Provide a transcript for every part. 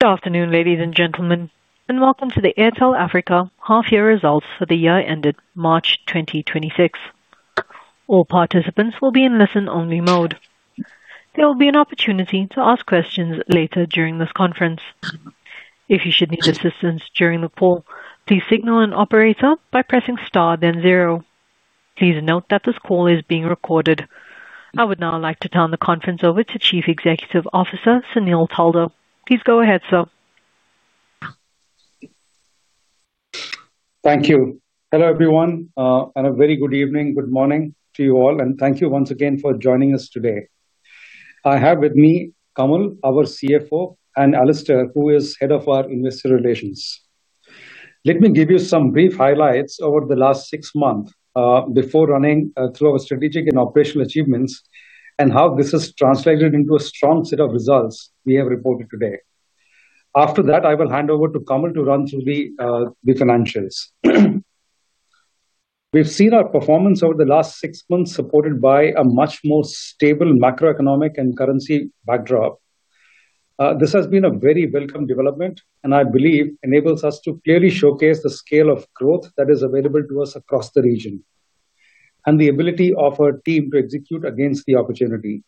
Good afternoon, ladies and gentlemen, and welcome to the Airtel Africa half-year results for the year ended March 2026. All participants will be in listen-only mode. There will be an opportunity to ask questions later during this conference. If you should need assistance during the call, please signal an operator by pressing star, then zero. Please note that this call is being recorded. I would now like to turn the conference over to Chief Executive Officer Sunil Taldar. Please go ahead, sir. Thank you. Hello everyone, and a very good evening, good morning to you all, and thank you once again for joining us today. I have with me Kamal, our CFO, and Alastair, who is Head of our Investor Relations. Let me give you some brief highlights over the last six months before running through our strategic and operational achievements and how this has translated into a strong set of results we have reported today. After that, I will hand over to Kamal to run through the financials. We've seen our performance over the last six months supported by a much more stable macroeconomic and currency backdrop. This has been a very welcome development, and I believe it enables us to clearly showcase the scale of growth that is available to us across the region and the ability of our team to execute against the opportunity.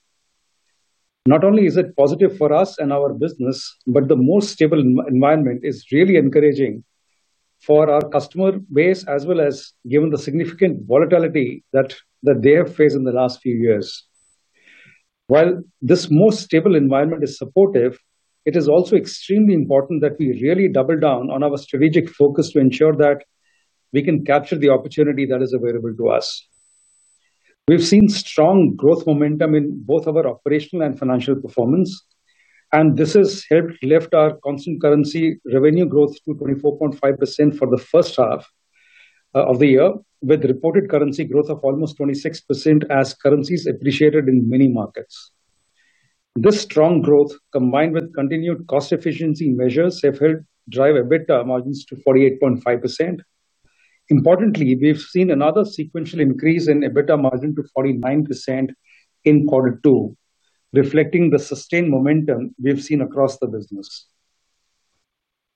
Not only is it positive for us and our business, but the more stable environment is really encouraging for our customer base, as well as given the significant volatility that they have faced in the last few years. While this more stable environment is supportive, it is also extremely important that we really double down on our strategic focus to ensure that we can capture the opportunity that is available to us. We've seen strong growth momentum in both our operational and financial performance, and this has helped lift our constant currency revenue growth to 24.5% for the first half of the year, with reported currency growth of almost 26% as currencies appreciated in many markets. This strong growth, combined with continued cost efficiency measures, have helped drive EBITDA margins to 48.5%. Importantly, we've seen another sequential increase in EBITDA margin to 49% in quarter two, reflecting the sustained momentum we've seen across the business.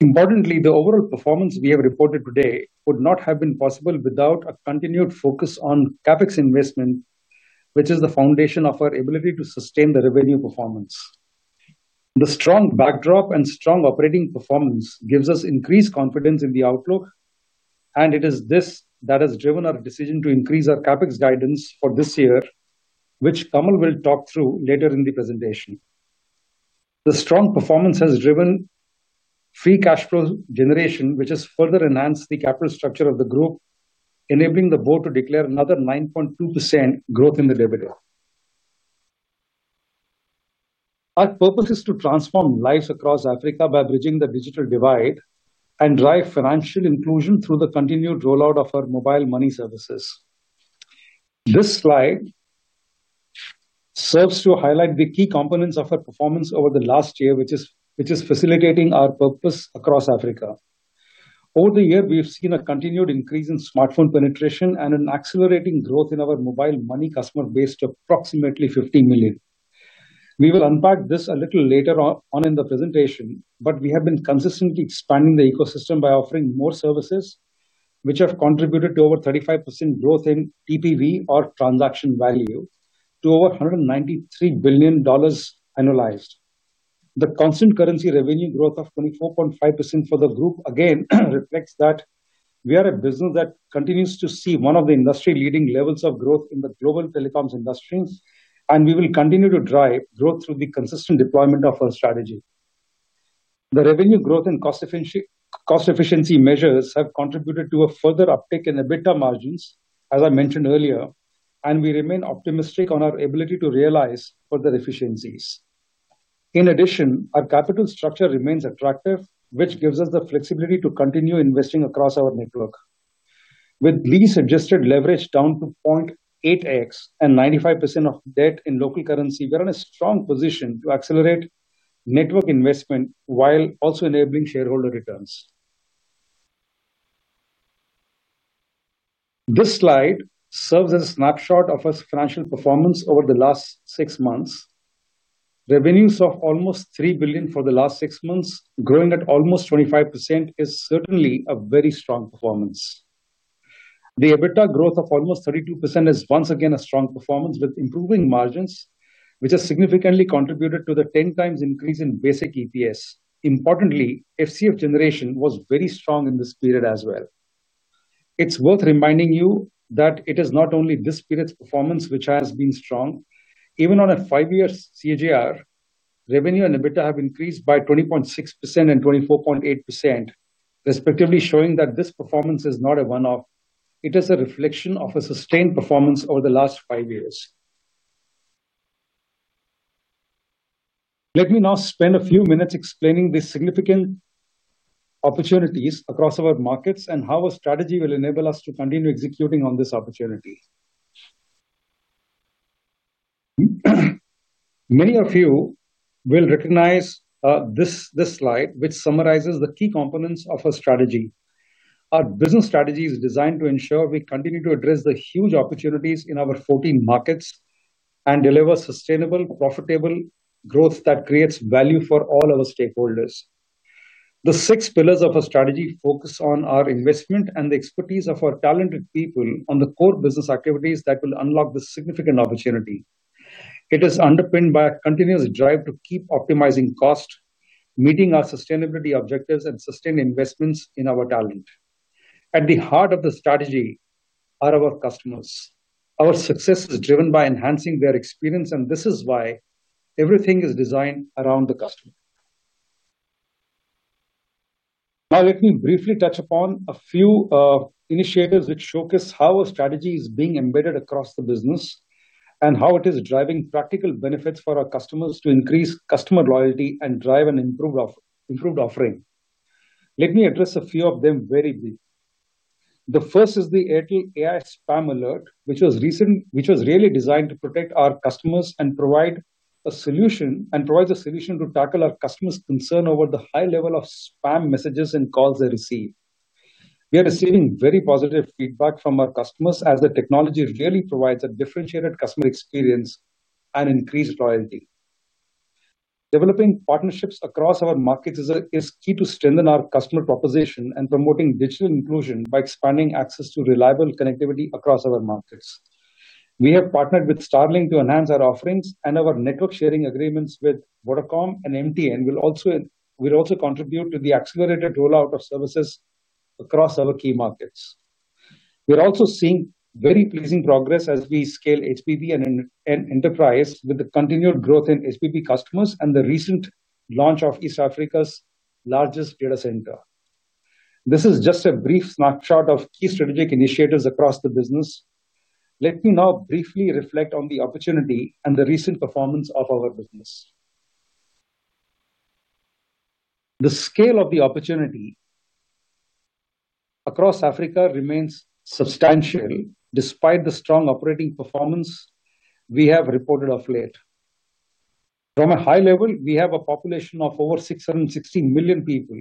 Importantly, the overall performance we have reported today would not have been possible without a continued focus on CapEx investment, which is the foundation of our ability to sustain the revenue performance. The strong backdrop and strong operating performance give us increased confidence in the outlook, and it is this that has driven our decision to increase our CapEx guidance for this year, which Kamal will talk through later in the presentation. The strong performance has driven free cash flow generation, which has further enhanced the capital structure of the group, enabling the board to declare another 9.2% growth in the dividend. Our purpose is to transform lives across Africa by bridging the digital divide and drive financial inclusion through the continued rollout of our mobile money services. This slide serves to highlight the key components of our performance over the last year, which is facilitating our purpose across Africa. Over the year, we've seen a continued increase in smartphone penetration and an accelerating growth in our mobile money customer base to approximately 50 million. We will unpack this a little later on in the presentation, but we have been consistently expanding the ecosystem by offering more services, which have contributed to over 35% growth in TPV, or transaction value, to over $193 billion annualized. The constant currency revenue growth of 24.5% for the group again reflects that we are a business that continues to see one of the industry-leading levels of growth in the global telecoms industries, and we will continue to drive growth through the consistent deployment of our strategy. The revenue growth and cost efficiency measures have contributed to a further uptick in EBITDA margins, as I mentioned earlier, and we remain optimistic on our ability to realize further efficiencies. In addition, our capital structure remains attractive, which gives us the flexibility to continue investing across our network. With lease-adjusted leverage down to 0.8x and 95% of debt in local currency, we're in a strong position to accelerate network investment while also enabling shareholder returns. This slide serves as a snapshot of our financial performance over the last six months. Revenues of almost $3 billion for the last six months, growing at almost 25%, is certainly a very strong performance. The EBITDA growth of almost 32% is once again a strong performance with improving margins, which has significantly contributed to the 10 times increase in basic EPS. Importantly, FCF generation was very strong in this period as well. It's worth reminding you that it is not only this period's performance which has been strong. Even on a five-year CAGR, revenue and EBITDA have increased by 20.6% and 24.8%, respectively showing that this performance is not a one-off. It is a reflection of a sustained performance over the last five years. Let me now spend a few minutes explaining the significant opportunities across our markets and how our strategy will enable us to continue executing on this opportunity. Many of you will recognize this slide, which summarizes the key components of our strategy. Our business strategy is designed to ensure we continue to address the huge opportunities in our 14 markets and deliver sustainable, profitable growth that creates value for all our stakeholders. The six pillars of our strategy focus on our investment and the expertise of our talented people on the core business activities that will unlock this significant opportunity. It is underpinned by a continuous drive to keep optimizing cost, meeting our sustainability objectives, and sustain investments in our talent. At the heart of the strategy are our customers. Our success is driven by enhancing their experience, and this is why everything is designed around the customer. Now, let me briefly touch upon a few initiatives which showcase how our strategy is being embedded across the business and how it is driving practical benefits for our customers to increase customer loyalty and drive an improved offering. Let me address a few of them very briefly. The first is the Airtel AI Spam Alert, which was really designed to protect our customers and provide a solution to tackle our customers' concern over the high level of spam messages and calls they receive. We are receiving very positive feedback from our customers as the technology really provides a differentiated customer experience and increased loyalty. Developing partnerships across our markets is key to strengthen our customer proposition and promoting digital inclusion by expanding access to reliable connectivity across our markets. We have partnered with Starlink to enhance our offerings, and our network sharing agreements with Vodacom and MTN will also contribute to the accelerated rollout of services across our key markets. We're also seeing very pleasing progress as we scale HPB and Enterprise with the continued growth in HPB customers and the recent launch of East Africa's largest data center. This is just a brief snapshot of key strategic initiatives across the business. Let me now briefly reflect on the opportunity and the recent performance of our business. The scale of the opportunity across Africa remains substantial despite the strong operating performance we have reported of late. From a high level, we have a population of over 660 million people,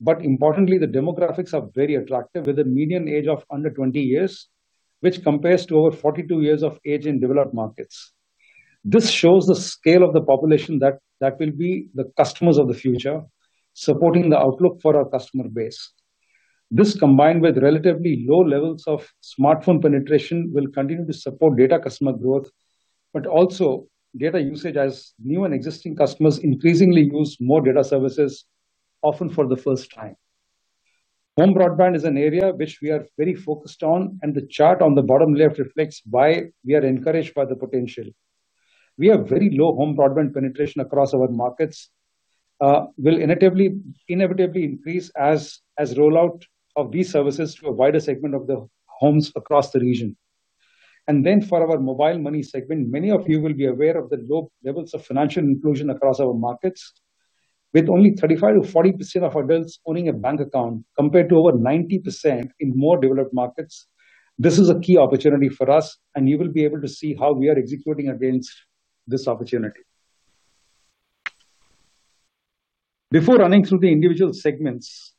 but importantly, the demographics are very attractive with a median age of under 20 years, which compares to over 42 years of age in developed markets. This shows the scale of the population that will be the customers of the future, supporting the outlook for our customer base. This, combined with relatively low levels of smartphone penetration, will continue to support data customer growth, but also data usage as new and existing customers increasingly use more data services, often for the first time. Home broadband is an area which we are very focused on, and the chart on the bottom left reflects why we are encouraged by the potential. We have very low home broadband penetration across our markets. It will inevitably increase as rollout of these services to a wider segment of the homes across the region. For our mobile money segment, many of you will be aware of the low levels of financial inclusion across our markets, with only 35% to 40% of adults owning a bank account compared to over 90% in more developed markets. This is a key opportunity for us, and you will be able to see how we are executing against this opportunity. Before running through the individual segments,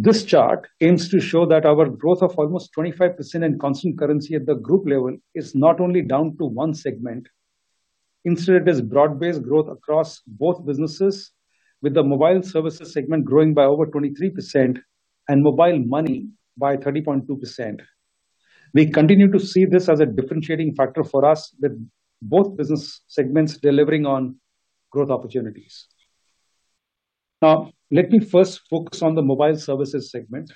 this chart aims to show that our growth of almost 25% in constant currency at the group level is not only down to one segment. It is broad-based growth across both businesses, with the mobile services segment growing by over 23% and mobile money by 30.2%. We continue to see this as a differentiating factor for us, with both business segments delivering on growth opportunities. Now, let me first focus on the mobile services segment.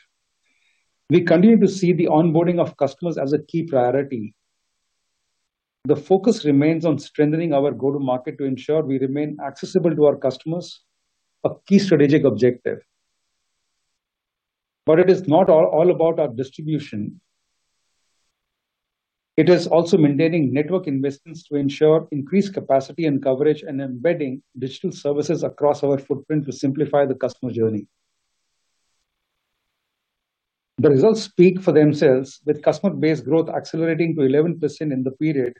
We continue to see the onboarding of customers as a key priority. The focus remains on strengthening our go-to-market to ensure we remain accessible to our customers, a key strategic objective. It is not all about our distribution. It is also maintaining network investments to ensure increased capacity and coverage and embedding digital services across our footprint to simplify the customer journey. The results speak for themselves, with customer base growth accelerating to 11% in the period,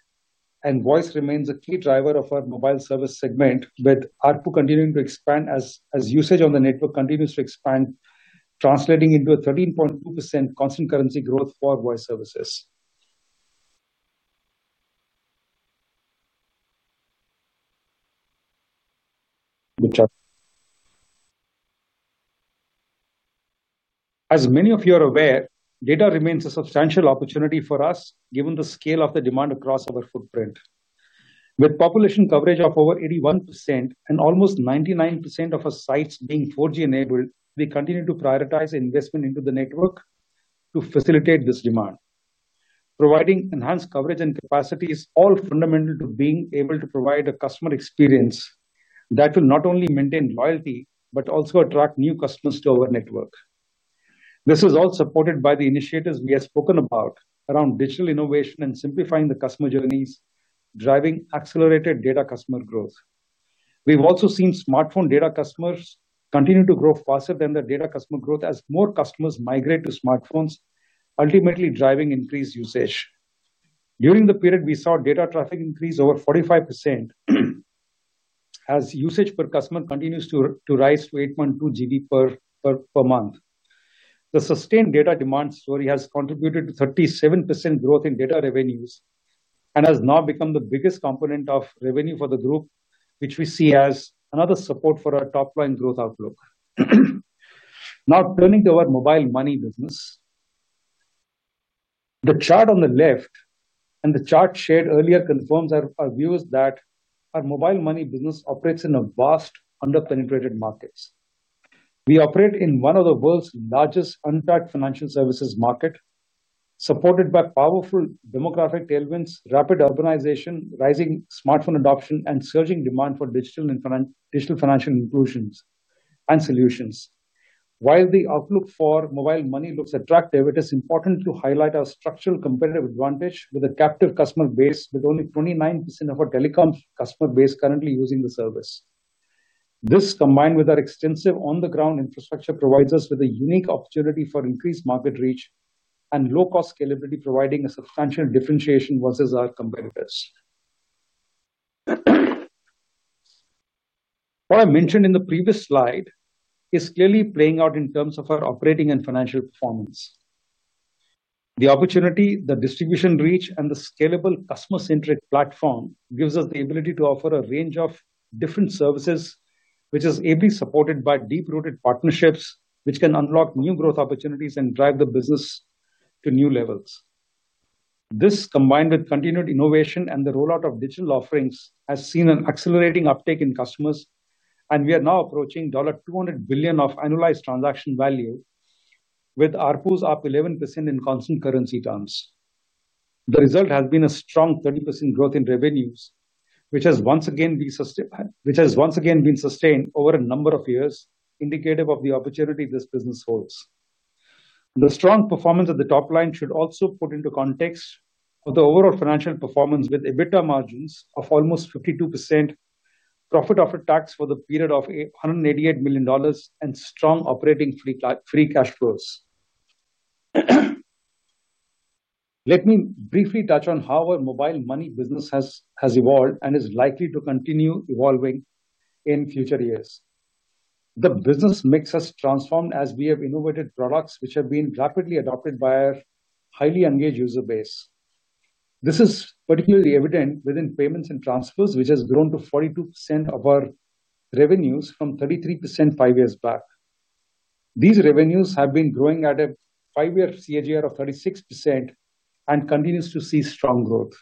and voice remains a key driver of our mobile service segment, with ARPU continuing to expand as usage on the network continues to expand, translating into a 13.2% constant currency growth for voice services. As many of you are aware, data remains a substantial opportunity for us, given the scale of the demand across our footprint. With population coverage of over 81% and almost 99% of our sites being 4G enabled, we continue to prioritize investment into the network to facilitate this demand. Providing enhanced coverage and capacity is all fundamental to being able to provide a customer experience that will not only maintain loyalty but also attract new customers to our network. This is all supported by the initiatives we have spoken about around digital innovation and simplifying the customer journeys, driving accelerated data customer growth. We've also seen smartphone data customers continue to grow faster than the data customer growth as more customers migrate to smartphones, ultimately driving increased usage. During the period we saw data traffic increase over 45%, as usage per customer continues to rise to 8.2 GB per month. The sustained data demand story has contributed to 37% growth in data revenues and has now become the biggest component of revenue for the group, which we see as another support for our top-line growth outlook. Now turning to our mobile money business, the chart on the left and the chart shared earlier confirms our views that our mobile money business operates in a vast, underpenetrated market. We operate in one of the world's largest untapped financial services markets, supported by powerful demographic tailwinds, rapid urbanization, rising smartphone adoption, and surging demand for digital financial inclusions and solutions. While the outlook for mobile money looks attractive, it is important to highlight our structural competitive advantage with a captive customer base with only 29% of our telecoms customer base currently using the service. This, combined with our extensive on-the-ground infrastructure, provides us with a unique opportunity for increased market reach and low-cost scalability, providing a substantial differentiation versus our competitors. What I mentioned in the previous slide is clearly playing out in terms of our operating and financial performance. The opportunity, the distribution reach, and the scalable customer-centric platform give us the ability to offer a range of different services, which is ably supported by deep-rooted partnerships, which can unlock new growth opportunities and drive the business to new levels. This, combined with continued innovation and the rollout of digital offerings, has seen an accelerating uptake in customers, and we are now approaching $200 billion of annualized transaction value, with ARPU's up 11% in constant currency terms. The result has been a strong 30% growth in revenues, which has once again been sustained over a number of years, indicative of the opportunity this business holds. The strong performance of the top line should also put into context the overall financial performance, with EBITDA margins of almost 52%, profit after tax for the period of $188 million, and strong operating free cash flows. Let me briefly touch on how our mobile money business has evolved and is likely to continue evolving in future years. The business mix has transformed as we have innovated products which have been rapidly adopted by our highly engaged user base. This is particularly evident within payments and transfers, which has grown to 42% of our revenues from 33% five years back. These revenues have been growing at a five-year CAGR of 36% and continue to see strong growth.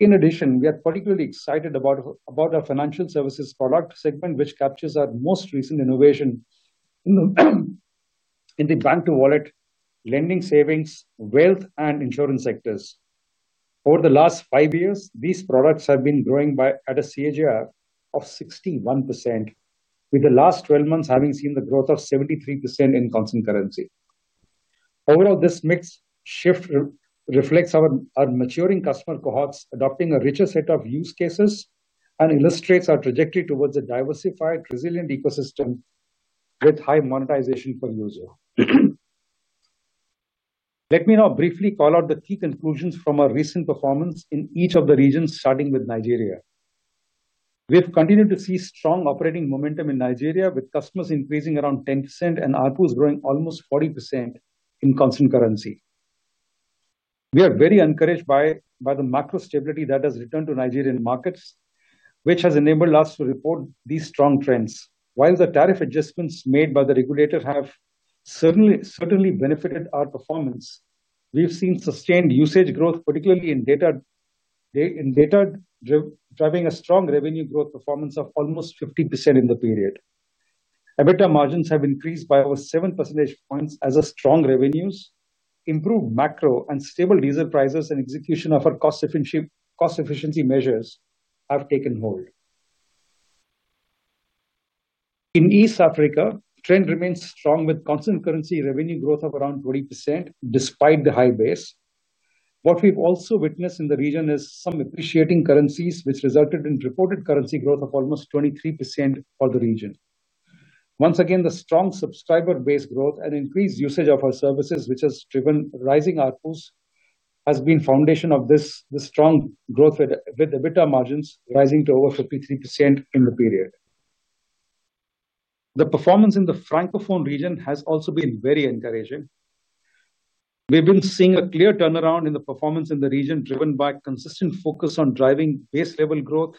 In addition, we are particularly excited about our financial services product segment, which captures our most recent innovation in the bank-to-wallet, lending, savings, wealth, and insurance sectors. Over the last five years, these products have been growing at a CAGR of 61%, with the last 12 months having seen the growth of 73% in constant currency. Overall, this mix shift reflects our maturing customer cohorts adopting a richer set of use cases and illustrates our trajectory towards a diversified, resilient ecosystem with high monetization per user. Let me now briefly call out the key conclusions from our recent performance in each of the regions, starting with Nigeria. We have continued to see strong operating momentum in Nigeria, with customers increasing around 10% and ARPUs growing almost 40% in constant currency. We are very encouraged by the macro stability that has returned to Nigerian markets, which has enabled us to report these strong trends. While the tariff adjustments made by the regulator have certainly benefited our performance, we've seen sustained usage growth, particularly in data driving a strong revenue growth performance of almost 50% in the period. EBITDA margins have increased by over 7 percentage points as strong revenues, improved macro, and stable diesel prices and execution of our cost efficiency measures have taken hold. In East Africa, the trend remains strong, with constant currency revenue growth of around 20% despite the high base. What we've also witnessed in the region is some depreciating currencies, which resulted in reported currency growth of almost 23% for the region. Once again, the strong subscriber base growth and increased usage of our services, which has driven rising ARPUs, have been the foundation of this strong growth, with EBITDA margins rising to over 53% in the period. The performance in the Francophone region has also been very encouraging. We've been seeing a clear turnaround in the performance in the region, driven by a consistent focus on driving base-level growth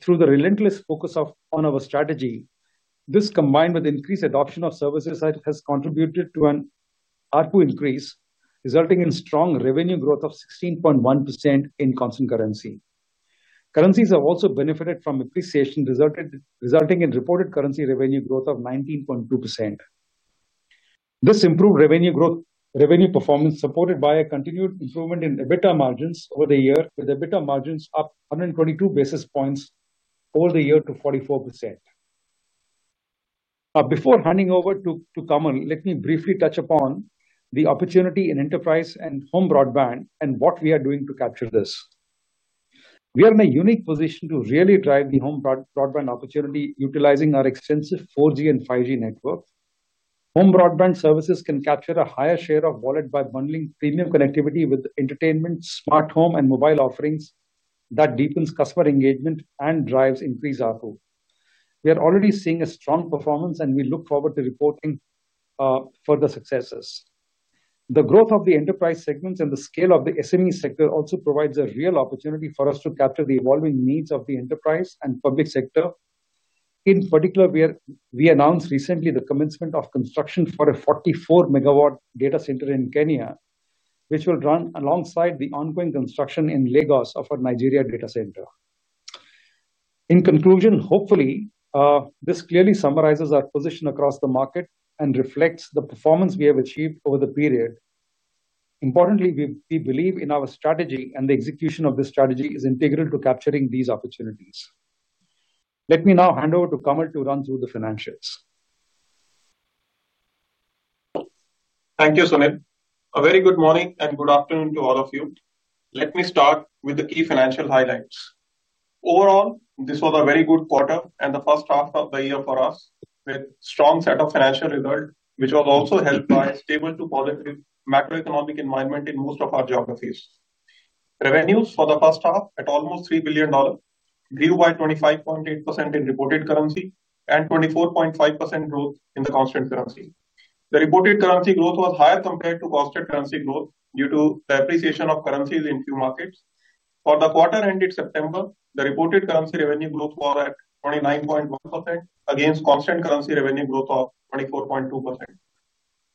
through the relentless focus on our strategy. This, combined with increased adoption of services, has contributed to an ARPU increase, resulting in strong revenue growth of 16.1% in constant currency. Currencies have also benefited from appreciation, resulting in reported currency revenue growth of 19.2%. This improved revenue performance is supported by a continued improvement in EBITDA margins over the year, with EBITDA margins up 122 basis points over the year to 44%. Before handing over to Kamal, let me briefly touch upon the opportunity in Enterprise and home broadband and what we are doing to capture this. We are in a unique position to really drive the home broadband opportunity, utilizing our extensive 4G and 5G network. Home broadband services can capture a higher share of wallet by bundling premium connectivity with entertainment, smart home, and mobile offerings that deepen customer engagement and drive increased ARPU. We are already seeing a strong performance, and we look forward to reporting further successes. The growth of the Enterprise segments and the scale of the SME sector also provides a real opportunity for us to capture the evolving needs of the Enterprise and public sector. In particular, we announced recently the commencement of construction for a 44-MW data center in Kenya, which will run alongside the ongoing construction in Lagos of our Nigeria data center. In conclusion, hopefully, this clearly summarizes our position across the market and reflects the performance we have achieved over the period. Importantly, we believe in our strategy, and the execution of this strategy is integral to capturing these opportunities. Let me now hand over to Kamal to run through the financials. Thank you, Sunil. A very good morning and good afternoon to all of you. Let me start with the key financial highlights. Overall, this was a very good quarter and the first half of the year for us, with a strong set of financial results, which was also helped by a stable to positive macroeconomic environment in most of our geographies. Revenues for the first half at almost $3 billion grew by 25.8% in reported currency and 24.5% growth in the constant currency. The reported currency growth was higher compared to constant currency growth due to the appreciation of currencies in few markets. For the quarter ended September, the reported currency revenue growth was at 29.1% against constant currency revenue growth of 24.2%.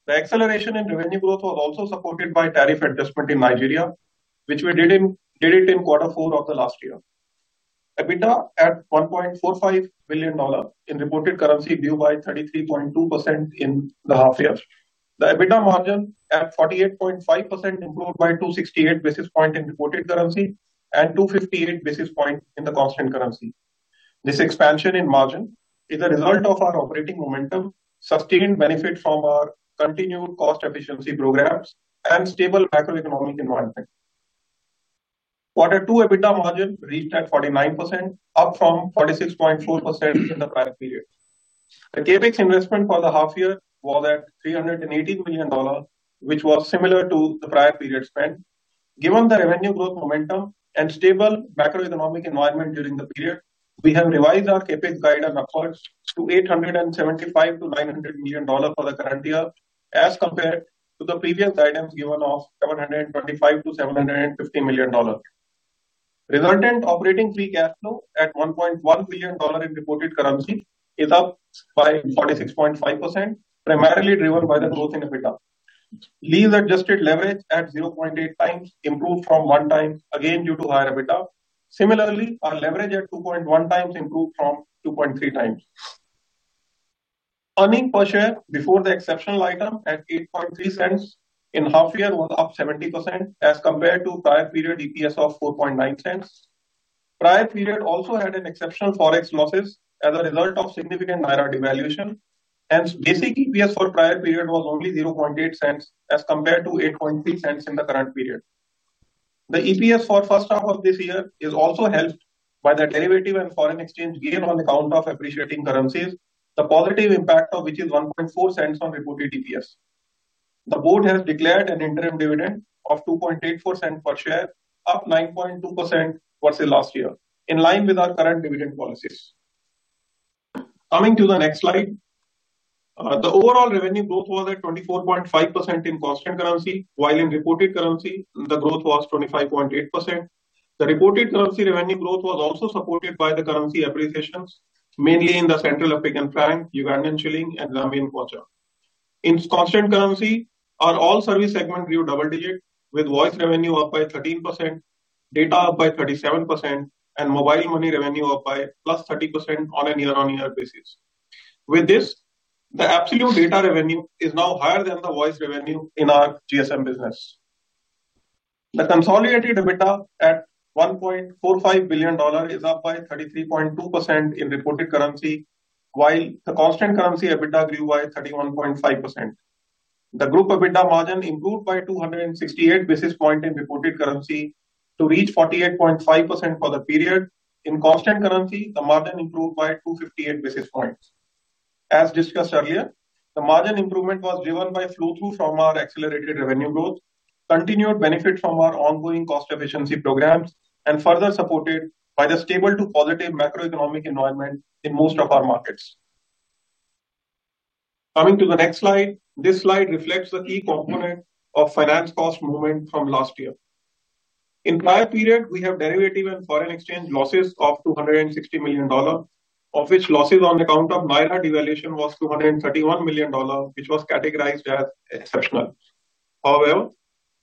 The acceleration in revenue growth was also supported by tariff adjustment in Nigeria, which we did it in quarter four of the last year. EBITDA at $1.45 billion in reported currency grew by 33.2% in the half year. The EBITDA margin at 48.5% improved by 268 basis points in reported currency and 258 basis points in the constant currency. This expansion in margin is a result of our operating momentum, sustained benefit from our continued cost efficiency programs, and stable macroeconomic environment. Quarter two, EBITDA margin reached at 49%, up from 46.4% in the prior period. The CapEx investment for the half year was at $318 million, which was similar to the prior period spent. Given the revenue growth momentum and stable macroeconomic environment during the period, we have revised our CapEx guidance efforts to $875 million to $900 million for the current year, as compared to the previous guidance given of $725 million to $750 million. Resultant operating free cash flow at $1.1 billion in reported currency is up by 46.5%, primarily driven by the growth in EBITDA. Lease-adjusted leverage at 0.8 times improved from one time, again due to higher EBITDA. Similarly, our leverage at 2.1 times improved from 2.3 times. Earning per share before the exceptional item at $0.083 in half year was up 70% as compared to prior period EPS of $0.049. Prior period also had an exceptional forex losses as a result of significant NIRA devaluation. Hence, basic EPS for prior period was only $0.008 as compared to $0.083 in the current period. The EPS for the first half of this year is also helped by the derivative and foreign exchange gain on account of appreciating currencies, the positive impact of which is $0.014 on reported EPS. The board has declared an interim dividend of $0.0284 per share, up 9.2% versus last year, in line with our current dividend policies. Coming to the next slide, the overall revenue growth was at 24.5% in constant currency, while in reported currency, the growth was 25.8%. The reported currency revenue growth was also supported by the currency appreciations, mainly in the Central African Franc, Ugandan Shilling, and Zambian Kwacha. In constant currency, our all service segment grew double digit, with voice revenue up by 13%, data up by 37%, and mobile money revenue up by plus 30% on a year-on-year basis. With this, the absolute data revenue is now higher than the voice revenue in our GSM business. The consolidated EBITDA at $1.45 billion is up by 33.2% in reported currency, while the constant currency EBITDA grew by 31.5%. The group EBITDA margin improved by 268 basis points in reported currency to reach 48.5% for the period. In constant currency, the margin improved by 258 basis points. As discussed earlier, the margin improvement was driven by flow-through from our accelerated revenue growth, continued benefit from our ongoing cost efficiency programs, and further supported by the stable to positive macroeconomic environment in most of our markets. Coming to the next slide, this slide reflects the key component of finance cost movement from last year. In the prior period, we have derivative and foreign exchange losses of $260 million, of which losses on account of Naira devaluation was $231 million, which was categorized as exceptional. However,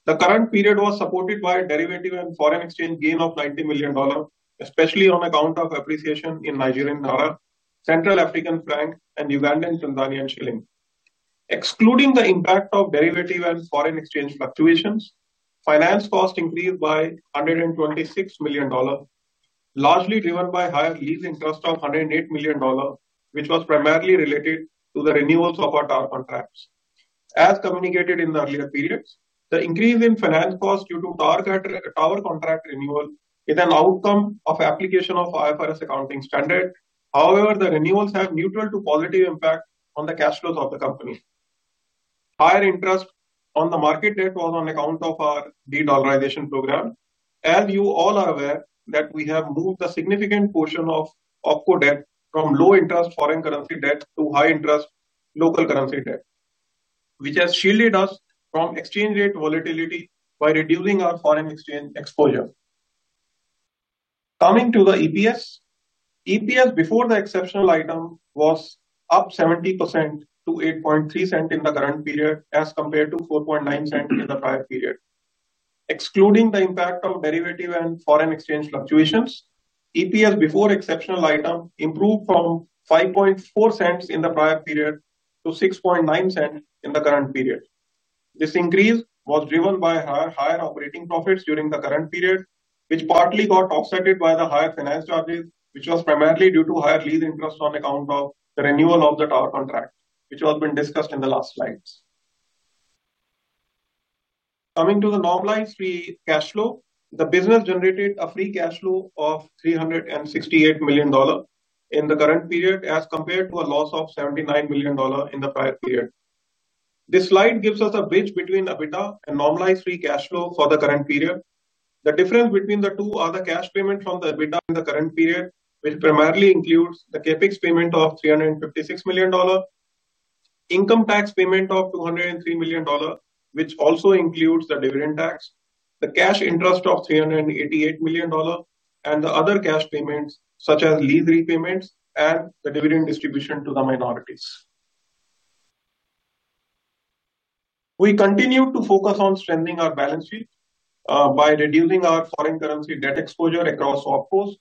the current period was supported by a derivative and foreign exchange gain of $90 million, especially on account of appreciation in Nigerian Naira, Central African Franc, and Ugandan Tanzanian Shilling. Excluding the impact of derivative and foreign exchange fluctuations, finance costs increased by $126 million, largely driven by higher lease interest of $108 million, which was primarily related to the renewals of our TAR contracts. As communicated in the earlier periods, the increase in finance costs due to TAR contract renewal is an outcome of application of IFRS accounting standard. However, the renewals have neutral to positive impact on the cash flows of the company. Higher interest on the market debt was on account of our de-dollarization program. As you all are aware, we have moved a significant portion of OPCO debt from low-interest foreign currency debt to high-interest local currency debt, which has shielded us from exchange rate volatility by reducing our foreign exchange exposure. Coming to the EPS, EPS before the exceptional item was up 70% to 8.3% in the current period, as compared to 4.9% in the prior period. Excluding the impact of derivative and foreign exchange fluctuations, EPS before the exceptional item improved from 5.4% in the prior period to 6.9% in the current period. This increase was driven by higher operating profits during the current period, which partly got offset by the higher finance charges, which was primarily due to higher lease interest on account of the renewal of the TAR contract, which has been discussed in the last slide. Coming to the normalized free cash flow, the business generated a free cash flow of $368 million in the current period, as compared to a loss of $79 million in the prior period. This slide gives us a bridge between EBITDA and normalized free cash flow for the current period. The difference between the two are the cash payment from the EBITDA in the current period, which primarily includes the CapEx payment of $356 million, income tax payment of $203 million, which also includes the dividend tax, the cash interest of $388 million, and the other cash payments, such as lease repayments and the dividend distribution to the minorities. We continued to focus on strengthening our balance sheet by reducing our foreign currency debt exposure across OPCOs.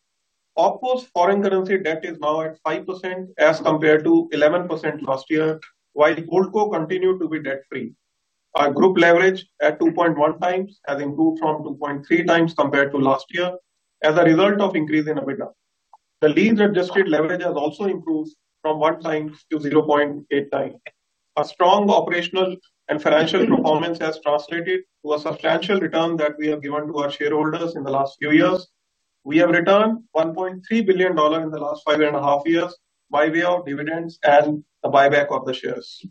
OPCOs' foreign currency debt is now at 5% as compared to 11% last year, while Goldco continued to be debt-free. Our group leverage at 2.1 times has improved from 2.3 times compared to last year as a result of increasing EBITDA. The lease-adjusted leverage has also improved from one time to 0.8 times. A strong operational and financial performance has translated to a substantial return that we have given to our shareholders in the last few years. We have returned $1.3 billion in the last five and a half years by way of dividends and the buyback of the shares.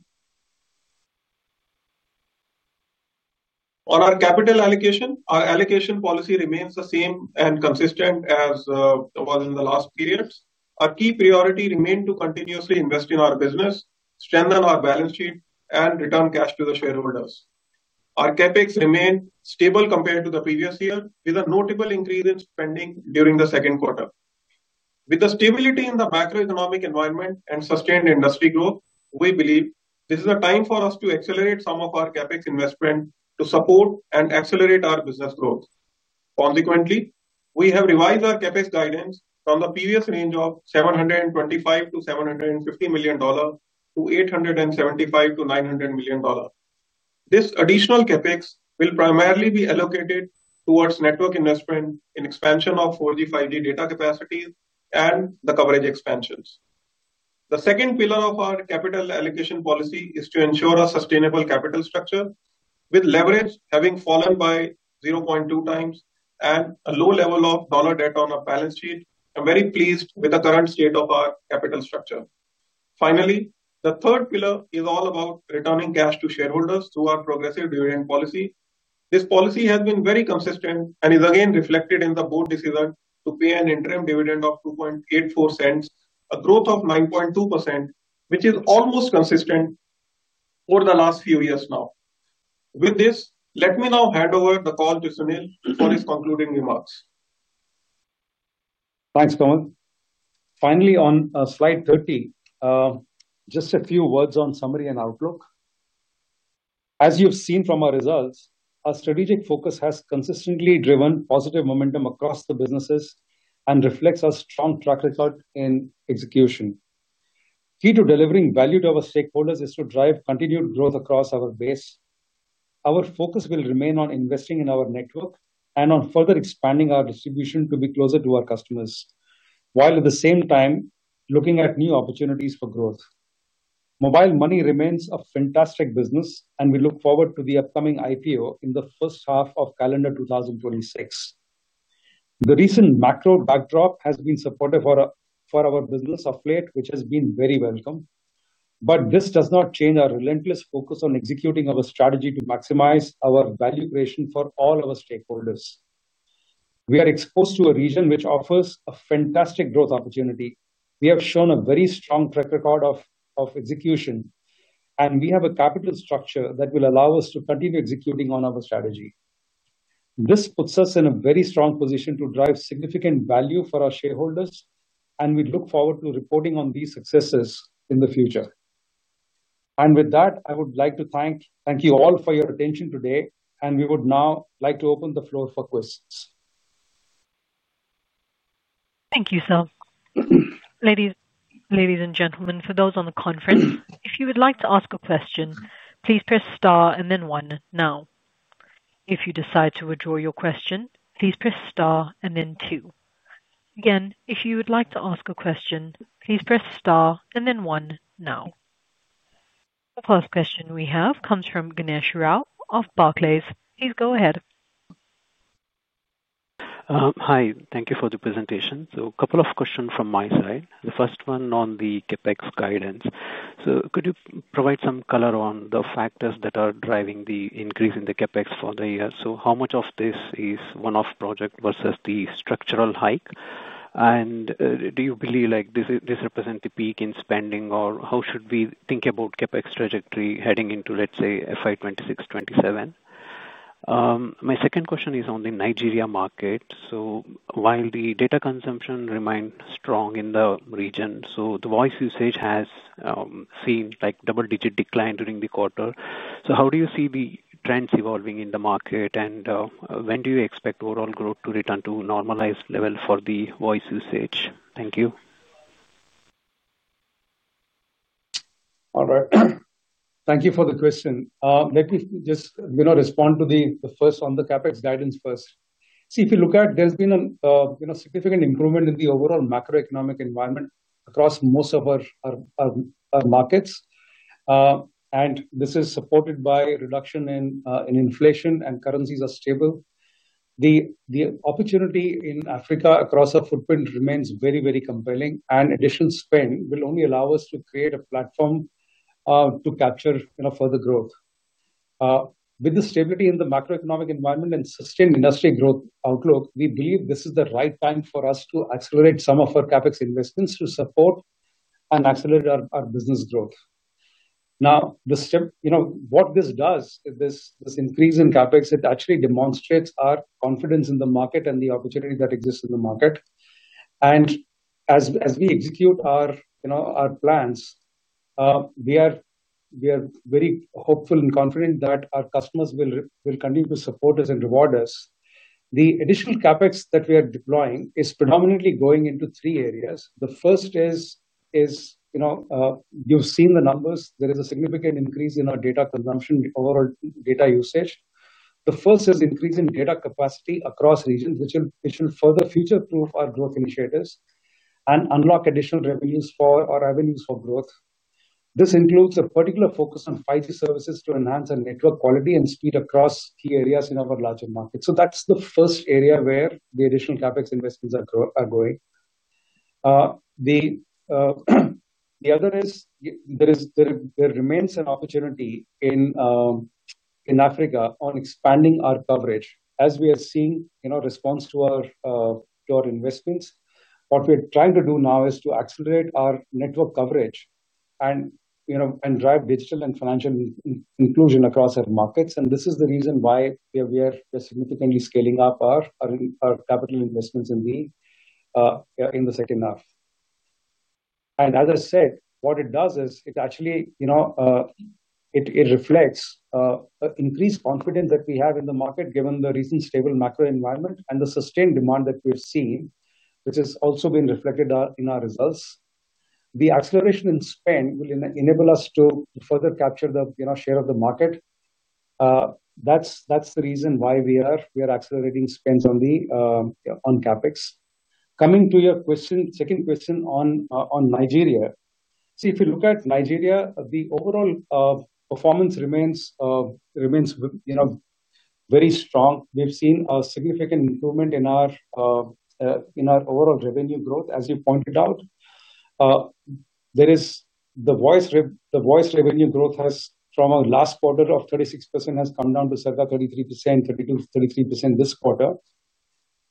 On our capital allocation, our allocation policy remains the same and consistent as it was in the last period. Our key priority remains to continuously invest in our business, strengthen our balance sheet, and return cash to the shareholders. Our CapEx remained stable compared to the previous year, with a notable increase in spending during the second quarter. With the stability in the macroeconomic environment and sustained industry growth, we believe this is a time for us to accelerate some of our CapEx investment to support and accelerate our business growth. Consequently, we have revised our CapEx guidance from the previous range of $725 million to $750 million to $875 million to $900 million. This additional CapEx will primarily be allocated towards network investment in expansion of 4G/5G data capacities and the coverage expansions. The second pillar of our capital allocation policy is to ensure a sustainable capital structure, with leverage having fallen by 0.2 times and a low level of dollar debt on our balance sheet. I'm very pleased with the current state of our capital structure. Finally, the third pillar is all about returning cash to shareholders through our progressive dividend policy. This policy has been very consistent and is again reflected in the board decision to pay an interim dividend of $0.0284, a growth of 9.2%, which is almost consistent over the last few years now. With this, let me now hand over the call to Sunil for his concluding remarks. Thanks, Kamal. Finally, on slide 30, just a few words on summary and outlook. As you've seen from our results, our strategic focus has consistently driven positive momentum across the businesses and reflects a strong track record in execution. Key to delivering value to our stakeholders is to drive continued growth across our base. Our focus will remain on investing in our network and on further expanding our distribution to be closer to our customers, while at the same time looking at new opportunities for growth. Mobile money remains a fantastic business, and we look forward to the upcoming IPO in the first half of calendar 2026. The recent macro backdrop has been supportive for our business of late, which has been very welcome. This does not change our relentless focus on executing our strategy to maximize our value creation for all our stakeholders. We are exposed to a region which offers a fantastic growth opportunity. We have shown a very strong track record of execution, and we have a capital structure that will allow us to continue executing on our strategy. This puts us in a very strong position to drive significant value for our shareholders, and we look forward to reporting on these successes in the future. I would like to thank you all for your attention today, and we would now like to open the floor for questions. Thank you, sir. Ladies and gentlemen, for those on the conference, if you would like to ask a question, please press star and then one now. If you decide to withdraw your question, please press star and then two. Again, if you would like to ask a question, please press star and then one now. The first question we have comes from Ganesh Rao of Barclays. Please go ahead. Hi. Thank you for the presentation. A couple of questions from my side. The first one on the CapEx guidance. Could you provide some color on the factors that are driving the increase in the CapEx for the year? How much of this is one-off project versus the structural hike? Do you believe this represents the peak in spending, or how should we think about CapEx trajectory heading into, let's say, FY 2026-2027? My second question is on the Nigeria market. While the data consumption remains strong in the region, the voice usage has seen double-digit decline during the quarter. How do you see the trends evolving in the market, and when do you expect overall growth to return to a normalized level for the voice usage? Thank you. All right. Thank you for the question. Let me just respond to the first on the CapEx guidance first. See, if you look at it, there's been a significant improvement in the overall macroeconomic environment across most of our markets, and this is supported by a reduction in inflation, and currencies are stable. The opportunity in Africa across our footprint remains very, very compelling, and additional spend will only allow us to create a platform to capture further growth. With the stability in the macroeconomic environment and sustained industry growth outlook, we believe this is the right time for us to accelerate some of our CapEx investments to support and accelerate our business growth. What this does is this increase in CapEx, it actually demonstrates our confidence in the market and the opportunity that exists in the market. As we execute our plans, we are very hopeful and confident that our customers will continue to support us and reward us. The additional CapEx that we are deploying is predominantly going into three areas. The first is, you've seen the numbers. There is a significant increase in our data consumption, overall data usage. The first is an increase in data capacity across regions, which will further future-proof our growth initiatives and unlock additional revenues or avenues for growth. This includes a particular focus on 5G services to enhance our network quality and speed across key areas in our larger market. That's the first area where the additional CapEx investments are going. The other is there remains an opportunity in Africa on expanding our coverage, as we are seeing in our response to our investments. What we are trying to do now is to accelerate our network coverage and drive digital and financial inclusion across our markets. This is the reason why we are significantly scaling up our capital investments in the second half. As I said, what it does is it actually reflects an increased confidence that we have in the market, given the recent stable macro environment and the sustained demand that we've seen, which has also been reflected in our results. The acceleration in spend will enable us to further capture the share of the market. That's the reason why we are accelerating spend on CapEx. Coming to your second question on Nigeria, see, if you look at Nigeria, the overall performance remains very strong. We've seen a significant improvement in our overall revenue growth, as you pointed out. The voice revenue growth from our last quarter of 36% has come down to circa 33%, 33% this quarter.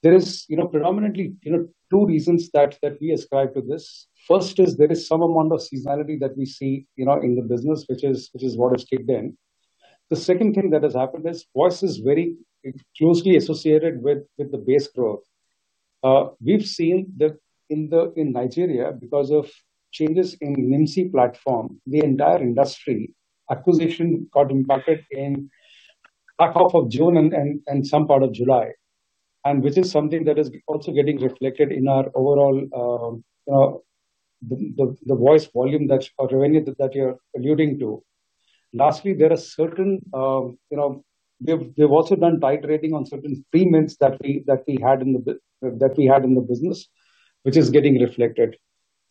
There are predominantly two reasons that we ascribe to this. First is there is some amount of seasonality that we see in the business, which is what has kicked in. The second thing that has happened is voice is very closely associated with the base growth. We've seen that in Nigeria, because of changes in NIMSI platform, the entire industry acquisition got impacted in the back half of June and some part of July, which is something that is also getting reflected in our overall voice volume or revenue that you're alluding to. Lastly, they've also done tight trading on certain premiums that we had in the business, which is getting reflected.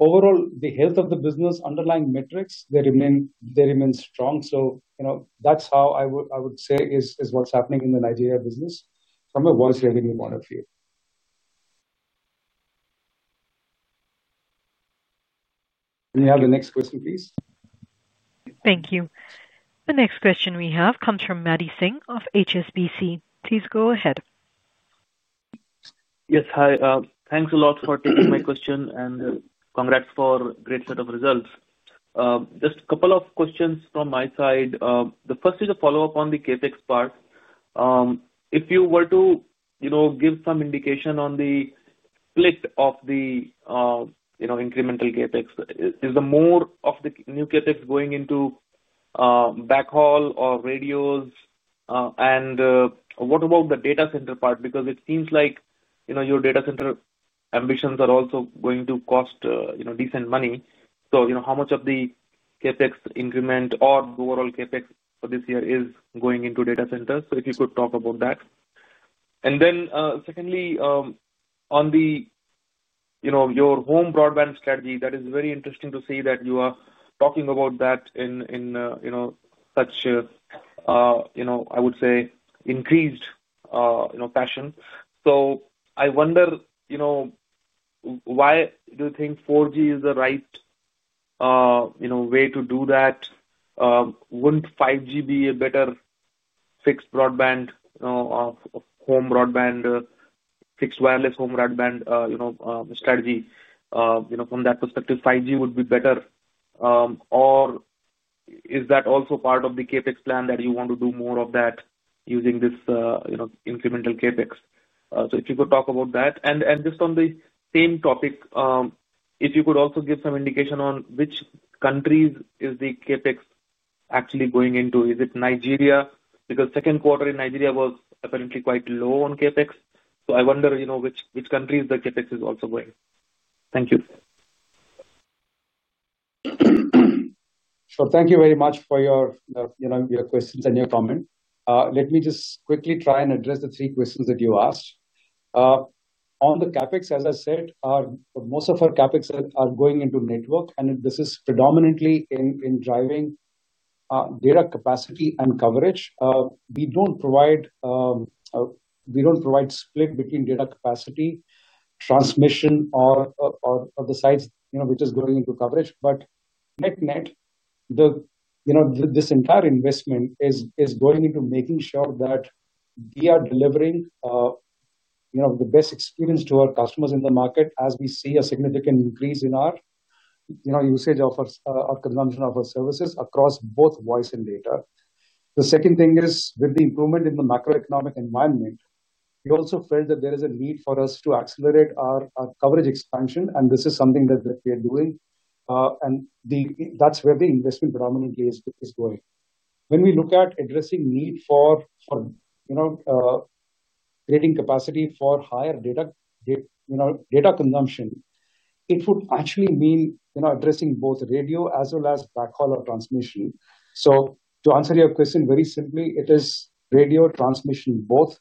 Overall, the health of the business, underlying metrics, they remain strong. That's how I would say is what's happening in the Nigeria business from a voice revenue point of view. Can you have the next question, please? Thank you. The next question we have comes from Madhvendra Singh of HSBC. Please go ahead. Yes, hi. Thanks a lot for taking my question and congrats for a great set of results. Just a couple of questions from my side. The first is a follow-up on the CapEx part. If you were to give some indication on the split of the incremental CapEx, is more of the new CapEx going into backhaul or radios? What about the data center part? It seems like your data center ambitions are also going to cost decent money. How much of the CapEx increment or the overall CapEx for this year is going into data centers? If you could talk about that. Secondly, on your home broadband strategy, that is very interesting to see that you are talking about that in such, I would say, increased fashion. I wonder, you know, why do you think 4G is the right way to do that? Wouldn't 5G be a better fixed broadband, you know, home broadband, fixed wireless home broadband strategy? From that perspective, 5G would be better. Is that also part of the CapEx plan that you want to do more of that using this incremental CapEx? If you could talk about that. On the same topic, if you could also give some indication on which countries is the CapEx actually going into? Is it Nigeria? The second quarter in Nigeria was apparently quite low on CapEx. I wonder which countries the CapEx is also going. Thank you. Thank you very much for your questions and your comments. Let me just quickly try and address the three questions that you asked. On the CapEx, as I said, most of our CapEx are going into network, and this is predominantly in driving data capacity and coverage. We don't provide split between data capacity, transmission, or the sites which are going into coverage. Net-net, this entire investment is going into making sure that we are delivering the best experience to our customers in the market as we see a significant increase in our usage of our consumption of our services across both voice and data. The second thing is, with the improvement in the macroeconomic environment, we also felt that there is a need for us to accelerate our coverage expansion, and this is something that we are doing. That's where the investment predominantly is going. When we look at addressing the need for creating capacity for higher data consumption, it would actually mean addressing both radio as well as backhaul or transmission. To answer your question very simply, it is radio, transmission, both,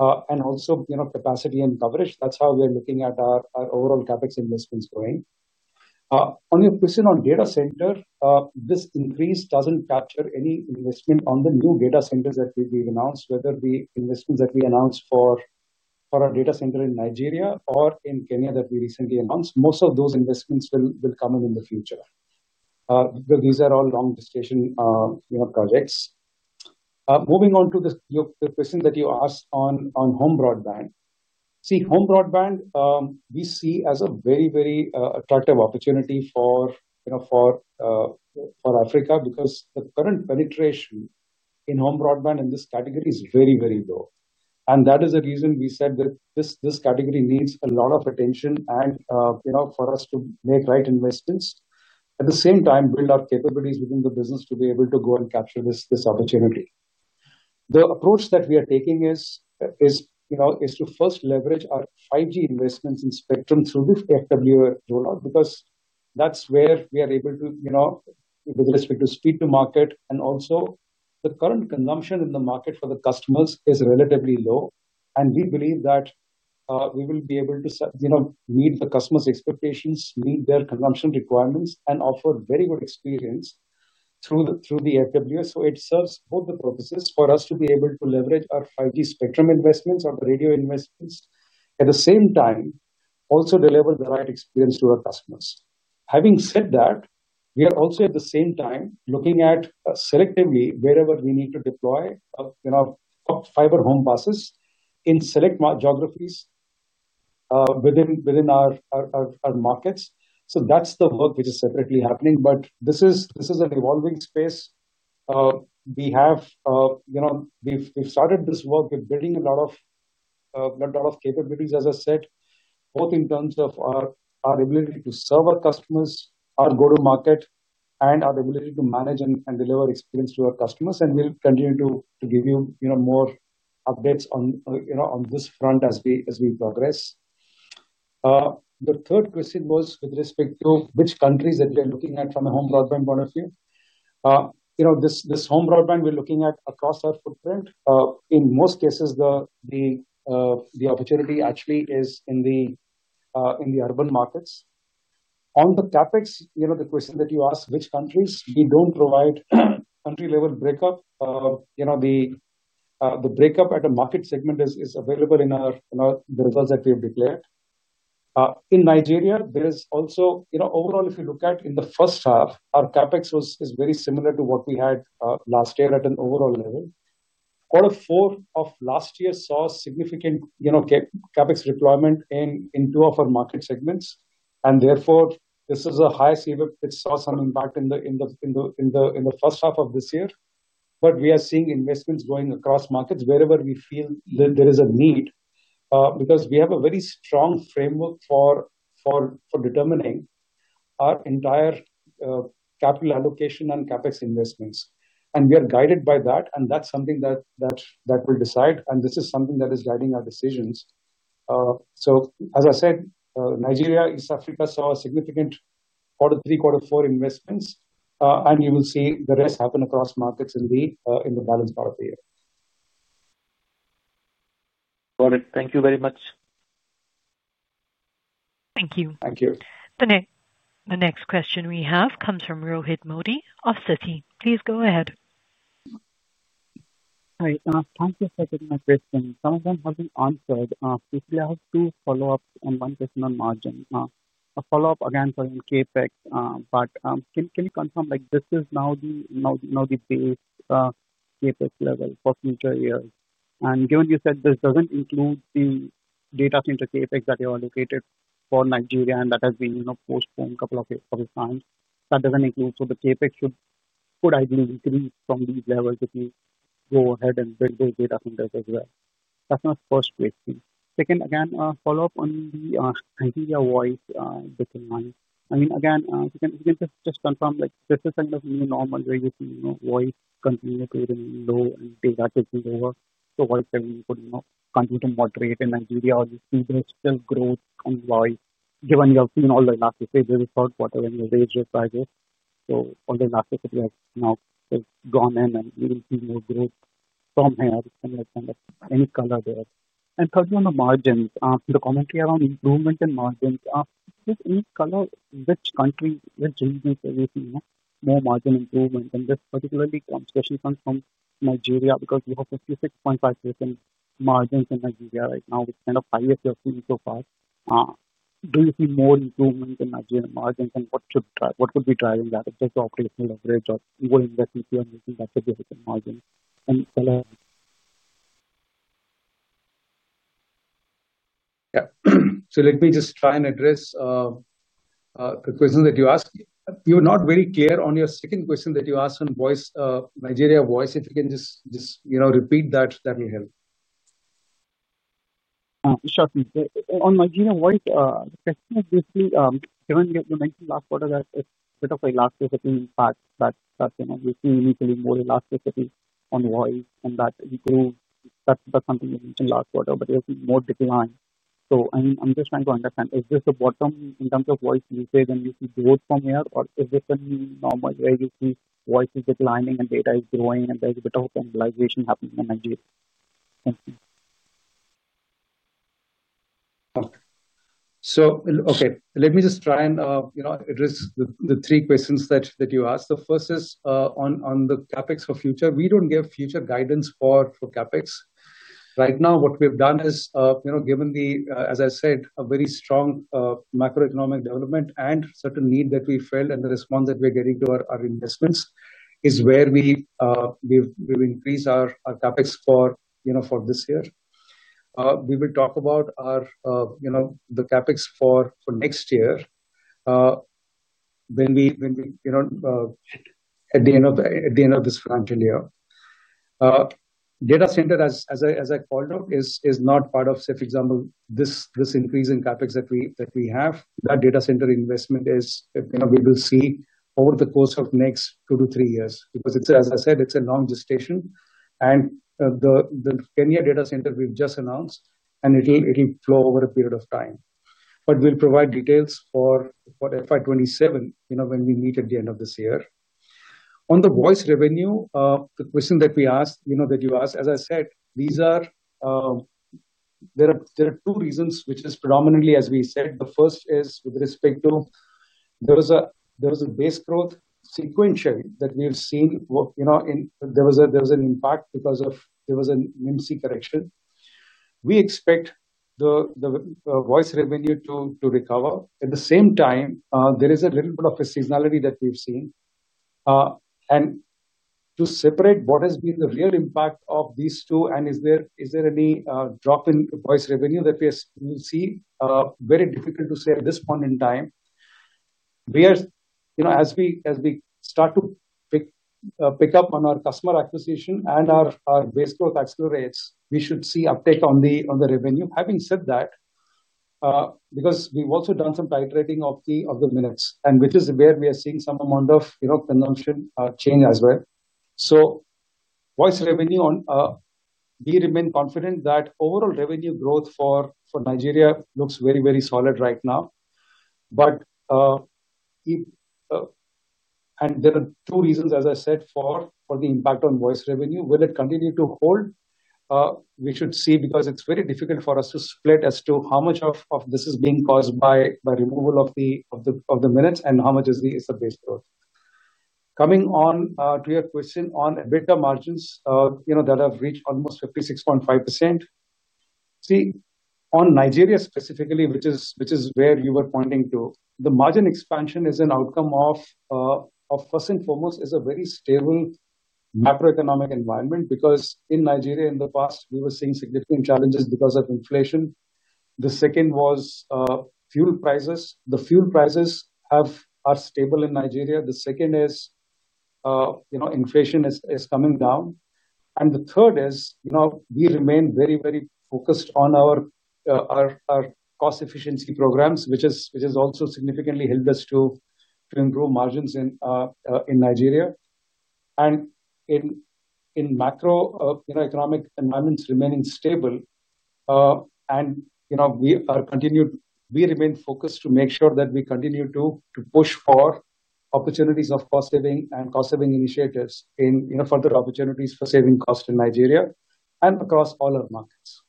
and also capacity and coverage. That's how we are looking at our overall CapEx investments going. On your question on data center, this increase doesn't capture any investment on the new data centers that we've announced, whether the investments that we announced for our data center in Nigeria or in Kenya that we recently announced, most of those investments will come in in the future. These are all long-distance projects. Moving on to the question that you asked on home broadband, home broadband we see as a very, very attractive opportunity for Africa because the current penetration in home broadband in this category is very, very low. That is the reason we said that this category needs a lot of attention and for us to make the right investments, at the same time build up capabilities within the business to be able to go and capture this opportunity. The approach that we are taking is to first leverage our 5G investments in Spectrum through the FWA rollout because that's where we are able to, you know, with respect to speed to market and also the current consumption in the market for the customers is relatively low. We believe that we will be able to meet the customer's expectations, meet their consumption requirements, and offer very good experience through the FWA. It serves both the purposes for us to be able to leverage our 5G spectrum investments or the radio investments, at the same time also deliver the right experience to our customers. Having said that, we are also at the same time looking at selectively wherever we need to deploy fiber home passes in select geographies within our markets. That's the work which is separately happening. This is an evolving space. We've started this work with building a lot of capabilities, as I said, both in terms of our ability to serve our customers, our go-to-market, and our ability to manage and deliver experience to our customers. We'll continue to give you more updates on this front as we progress. The third question was with respect to which countries that we are looking at from a home broadband point of view. This home broadband we're looking at across our footprint, in most cases, the opportunity actually is in the urban markets. On the CapEx, the question that you asked, which countries, we don't provide country-level breakup. The breakup at a market segment is available in the results that we have declared. In Nigeria, overall, if you look at in the first half, our CapEx was very similar to what we had last year at an overall level. Quarter four of last year saw significant CapEx deployment in two of our market segments. Therefore, this is a high CWIP that saw some impact in the first half of this year. We are seeing investments going across markets wherever we feel there is a need because we have a very strong framework for determining our entire capital allocation and CapEx investments. We are guided by that, and that's something that we'll decide. This is something that is guiding our decisions. As I said, Nigeria, East Africa saw a significant quarter three, quarter four investments, and you will see the rest happen across markets in the balanced part of the year. Got it. Thank you very much. Thank you. Thank you. The next question we have comes from Rohit Modi of Citi. Please go ahead. Hi. Thank you for taking my question. Some of them have been answered. We have two follow-ups and one question on margin. A follow-up again for in CapEx, but can you confirm like this is now the base CapEx level for future years? Given you said this doesn't include the data center CapEx that you allocated for Nigeria and that has been postponed a couple of times, that doesn't include. The CapEx could, ideally, increase from these levels if you go ahead and build those data centers as well. That's my first question. Second, again, a follow-up on the Nigeria voice decline. If you can just confirm like this is a new normal where you see voice continuing to remain low and data taking over. Voice can continue to moderate in Nigeria, or you see there's still growth in voice, given you have seen all the elasticity that we saw in the ranges prior years. All the elasticity has now gone in, and we will see more growth from here. Any color there? Thirdly, on the margins, the commentary around improvement in margins, is this any color which country, which region where you're seeing more margin improvement? This particularly comes from Nigeria because we have 56.5% margins in Nigeria right now, which is kind of the highest we have seen so far. Do you see more improvement in Nigeria margins, and what could be driving that? Is it just the operational leverage or more investments you are making that could be a different margin? Tell us. Yeah. Let me just try and address the question that you asked. You're not very clear on your second question that you asked on voice, Nigeria voice. If you can just repeat that, that will help. Sure thing. On Nigeria voice, the question is basically given you mentioned last quarter that it's a bit of elasticity impact, that you see initially more elasticity on voice and that you see growth, that's something you mentioned last quarter, but you're seeing more decline. I'm just trying to understand, is this the bottom in terms of voice usage and you see growth from here, or is this a new normal where you see voice is declining and data is growing and there's a bit of normalization happening in Nigeria? Okay, let me just try and address the three questions that you asked. The first is on the CapEx for future. We don't give future guidance for CapEx. Right now, what we've done is given the, as I said, a very strong macroeconomic development and certain need that we felt and the response that we're getting to our investments is where we've increased our CapEx for this year. We will talk about the CapEx for next year at the end of this financial year. Data center, as I called out, is not part of, say, for example, this increase in CapEx that we have. That data center investment is we will see over the course of the next two to three years because it's, as I said, it's a long gestation. The Kenya data center we've just announced, and it'll flow over a period of time. We'll provide details for FY 2027 when we meet at the end of this year. On the voice revenue, the question that you asked, as I said, there are two reasons, which is predominantly, as we said. The first is with respect to there was a base growth sequentially that we've seen. There was an impact because there was a NIMSI correction. We expect the voice revenue to recover. At the same time, there is a little bit of seasonality that we've seen. To separate what has been the real impact of these two and is there any drop in voice revenue that we see, very difficult to say at this point in time. As we start to pick up on our customer acquisition and our base growth accelerates, we should see uptake on the revenue. Having said that, because we've also done some tight trading of the minutes, which is where we are seeing some amount of consumption change as well. Voice revenue, we remain confident that overall revenue growth for Nigeria looks very, very solid right now. There are two reasons, as I said, for the impact on voice revenue. Will it continue to hold? We should see because it's very difficult for us to split as to how much of this is being caused by removal of the minutes and how much is the base growth. Coming on to your question on EBITDA margins that have reached almost 56.5%, on Nigeria specifically, which is where you were pointing to, the margin expansion is an outcome of, first and foremost, a very stable macroeconomic environment because in Nigeria, in the past, we were seeing significant challenges because of inflation. The second was fuel prices. The fuel prices are stable in Nigeria. The second is inflation is coming down. The third is we remain very, very focused on our cost efficiency programs, which has also significantly helped us to improve margins in Nigeria. With macroeconomic environments remaining stable, we remain focused to make sure that we continue to push for opportunities of cost-saving and cost-saving initiatives in further opportunities for saving costs in Nigeria and across all our markets.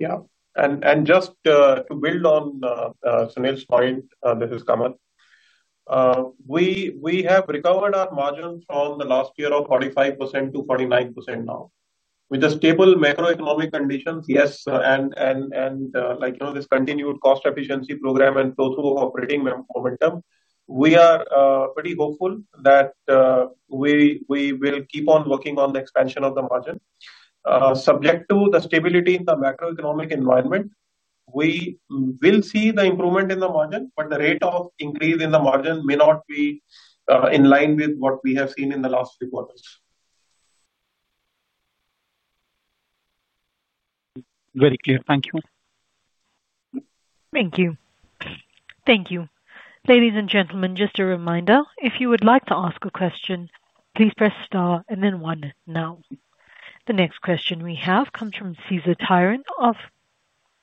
Yeah. Just to build on Sunil's point, this is Kamal. We have recovered our margin from last year of 45% to 49% now. With the stable macroeconomic conditions, and this continued cost efficiency program and flow-through operating momentum, we are pretty hopeful that we will keep on working on the expansion of the margin. Subject to the stability in the macroeconomic environment, we will see the improvement in the margin, but the rate of increase in the margin may not be in line with what we have seen in the last few quarters. Very clear. Thank you. Thank you. Thank you. Ladies and gentlemen, just a reminder, if you would like to ask a question, please press star and then one now. The next question we have comes from Cesar Tiron of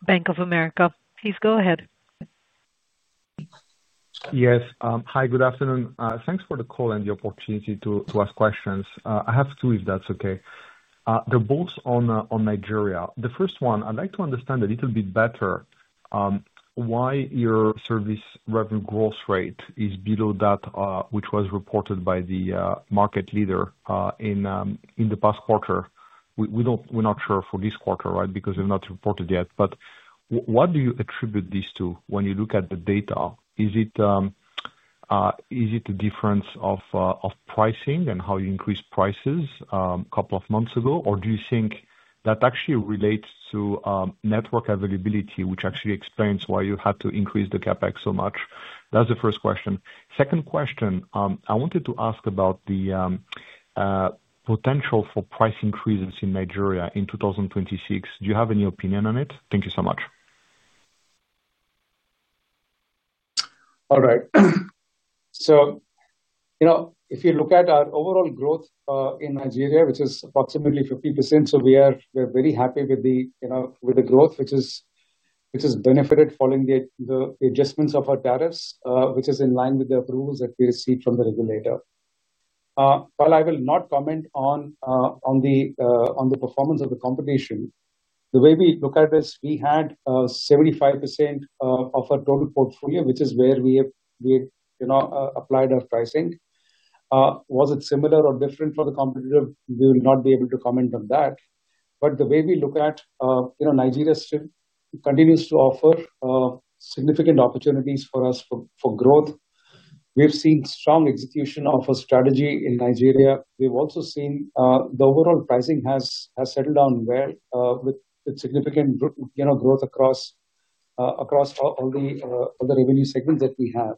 Bank of America. Please go ahead. Yes. Hi. Good afternoon. Thanks for the call and the opportunity to ask questions. I have two, if that's okay. They're both on Nigeria. The first one, I'd like to understand a little bit better why your service revenue growth rate is below that which was reported by the market leader in the past quarter. We're not sure for this quarter, right, because we have not reported yet. What do you attribute this to when you look at the data? Is it a difference of pricing and how you increased prices a couple of months ago, or do you think that actually relates to network availability, which actually explains why you had to increase the CapEx so much? That's the first question. Second question, I wanted to ask about the potential for price increases in Nigeria in 2026. Do you have any opinion on it? Thank you so much. All right. If you look at our overall growth in Nigeria, which is approximately 50%, we are very happy with the growth, which has benefited following the adjustments of our tariffs, which is in line with the approvals that we received from the regulator. While I will not comment on the performance of the competition, the way we look at this, we had 75% of our total portfolio, which is where we applied our pricing. Was it similar or different from the competitors? We will not be able to comment on that. The way we look at Nigeria still continues to offer significant opportunities for us for growth. We've seen strong execution of a strategy in Nigeria. We've also seen the overall pricing has settled down well with significant growth across all the revenue segments that we have.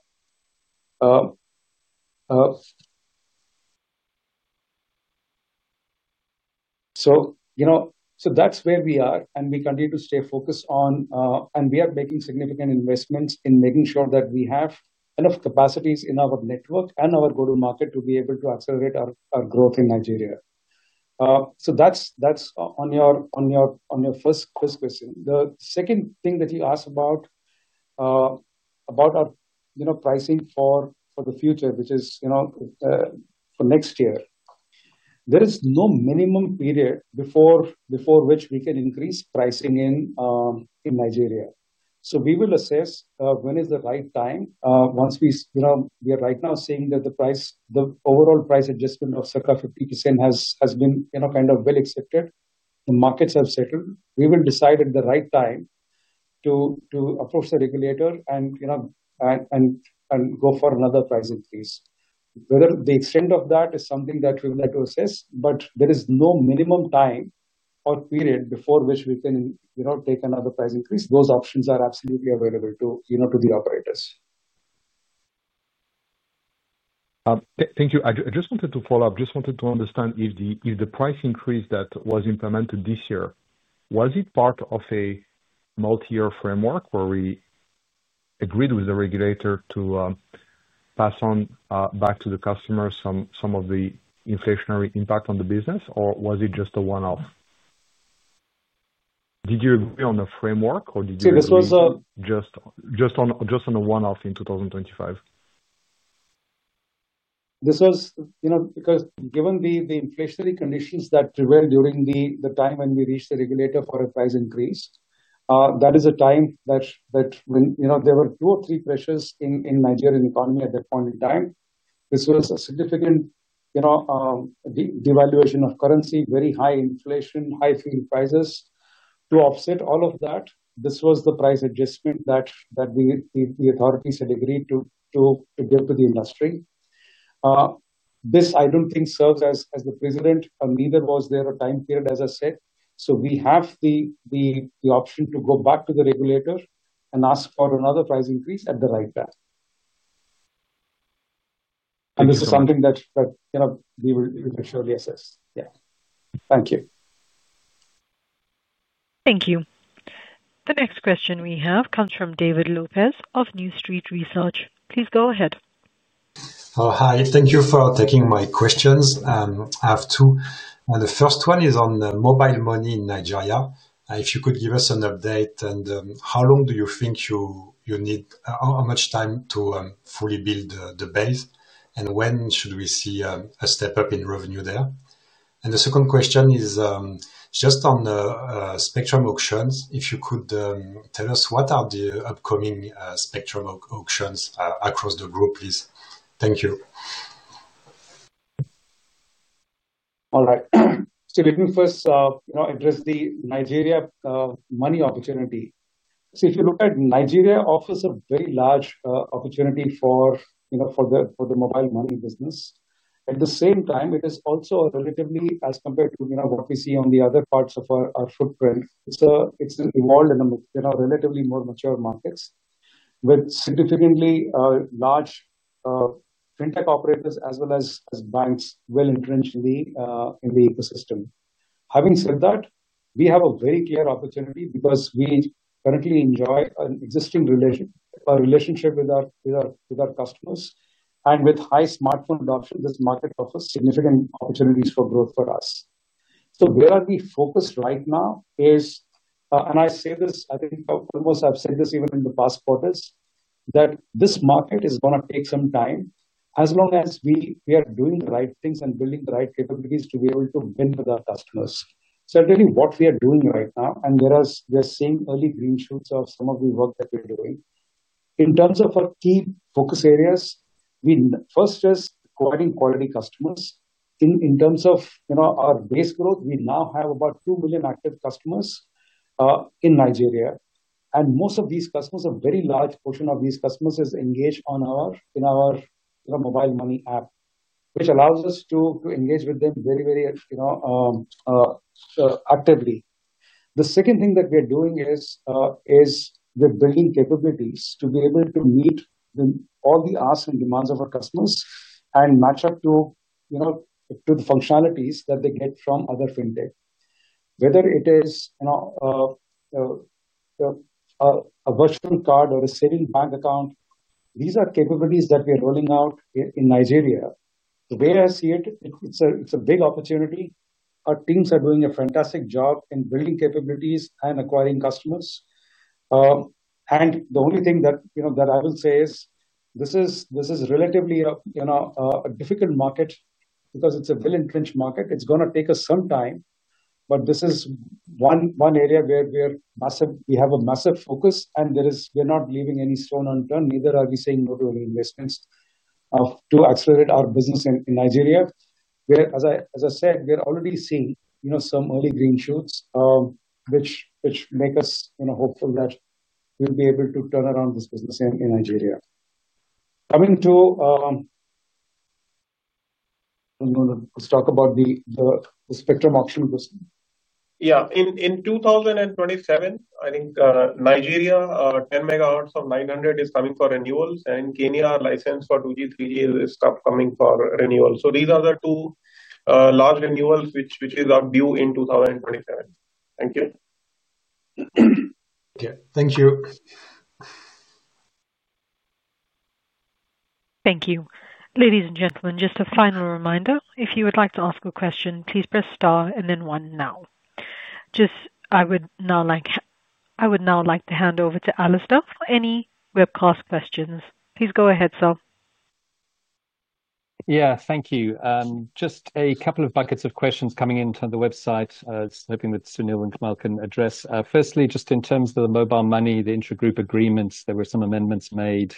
That's where we are, and we continue to stay focused on, and we are making significant investments in making sure that we have enough capacities in our network and our go-to-market to be able to accelerate our growth in Nigeria. That's on your first question. The second thing that you asked about, about our pricing for the future, which is for next year, there is no minimum period before which we can increase pricing in Nigeria. We will assess when is the right time. Once we are right now seeing that the overall price adjustment of circa 50% has been kind of well accepted, the markets have settled, we will decide at the right time to approach the regulator and go for another price increase. Whether the extent of that is something that we would like to assess, but there is no minimum time or period before which we can take another price increase. Those options are absolutely available to the operators. Thank you. I just wanted to follow up. I just wanted to understand if the price increase that was implemented this year, was it part of a multi-year framework where we agreed with the regulator to pass on back to the customer some of the inflationary impact on the business, or was it just a one-off? Did you agree on a framework, or did you agree just on a one-off in 2025? This was because given the inflationary conditions that prevailed during the time when we reached the regulator for a price increase, that is a time when there were two or three pressures in the Nigerian economy at that point in time. There was a significant devaluation of currency, very high inflation, high fuel prices. To offset all of that, this was the price adjustment that the authorities had agreed to give to the industry. I don't think this serves as the precedent, and neither was there a time period, as I said. We have the option to go back to the regulator and ask for another price increase at the right time. This is something that we will surely assess. Thank you. Thank you. The next question we have comes from David Lopes of New Street Research. Please go ahead. Hi. Thank you for taking my questions. I have two. The first one is on mobile money in Nigeria. If you could give us an update, how long do you think you need, how much time to fully build the base, and when should we see a step up in revenue there? The second question is just on Spectrum auctions. If you could tell us what are the upcoming Spectrum auctions across the group, please. Thank you. All right. Let me first address the Nigeria money opportunity. If you look at Nigeria, it offers a very large opportunity for the mobile money business. At the same time, it is also a relatively, as compared to what we see on the other parts of our footprint, it's evolved in a relatively more mature market with significantly large fintech operators as well as banks well entrenched in the ecosystem. Having said that, we have a very clear opportunity because we currently enjoy an existing relationship with our customers. With high smartphone adoption, this market offers significant opportunities for growth for us. Where we are focused right now is, and I think almost I've said this even in the past quarters, that this market is going to take some time as long as we are doing the right things and building the right capabilities to be able to win with our customers. Certainly, what we are doing right now, and whereas we are seeing early green shoots of some of the work that we're doing, in terms of our key focus areas, we first just acquiring quality customers. In terms of our base growth, we now have about 2 million active customers in Nigeria. Most of these customers, a very large portion of these customers, is engaged in our mobile money app, which allows us to engage with them very, very actively. The second thing that we're doing is we're building capabilities to be able to meet all the asks and demands of our customers and match up to the functionalities that they get from other fintech, whether it is a virtual card or a saving bank account. These are capabilities that we're rolling out in Nigeria. The way I see it, it's a big opportunity. Our teams are doing a fantastic job in building capabilities and acquiring customers. The only thing that I will say is this is relatively a difficult market because it's a well entrenched market. It's going to take us some time, but this is one area where we have a massive focus, and we're not leaving any stone unturned, neither are we saying no to any investments to accelerate our business in Nigeria. As I said, we're already seeing some early green shoots, which make us hopeful that we'll be able to turn around this business in Nigeria. Coming to, I'm going to talk about the Spectrum auction question. Yeah. In 2027, I think Nigeria, 10 MHz of 900 is coming for renewals, and in Kenya, our license for 2G, 3G is coming for renewal. These are the two large renewals, which is our view in 2027. Thank you. Thank you. Thank you. Ladies and gentlemen, just a final reminder, if you would like to ask a question, please press star and then one now. I would now like to hand over to Alastair for any webcast questions. Please go ahead, sir. Yeah. Thank you. Just a couple of buckets of questions coming in to the website. I was hoping that Sunil and Kamal can address. Firstly, just in terms of the mobile money, the intra-group agreements, there were some amendments made,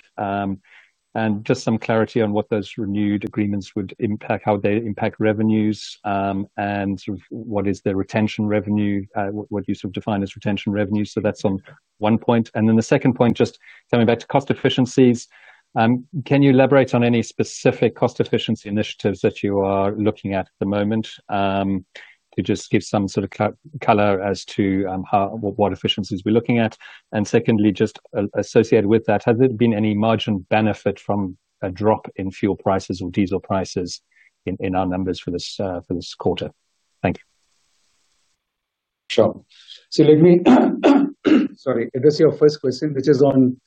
and just some clarity on what those renewed agreements would impact, how they impact revenues, and sort of what is their retention revenue, what you sort of define as retention revenue. That's on one point. The second point, just coming back to cost efficiencies, can you elaborate on any specific cost efficiency initiatives that you are looking at at the moment to just give some sort of color as to what efficiencies we're looking at? Secondly, just associated with that, has there been any margin benefit from a drop in fuel prices or diesel prices in our numbers for this quarter? Thank you. Sure. Let me address your first question, which is on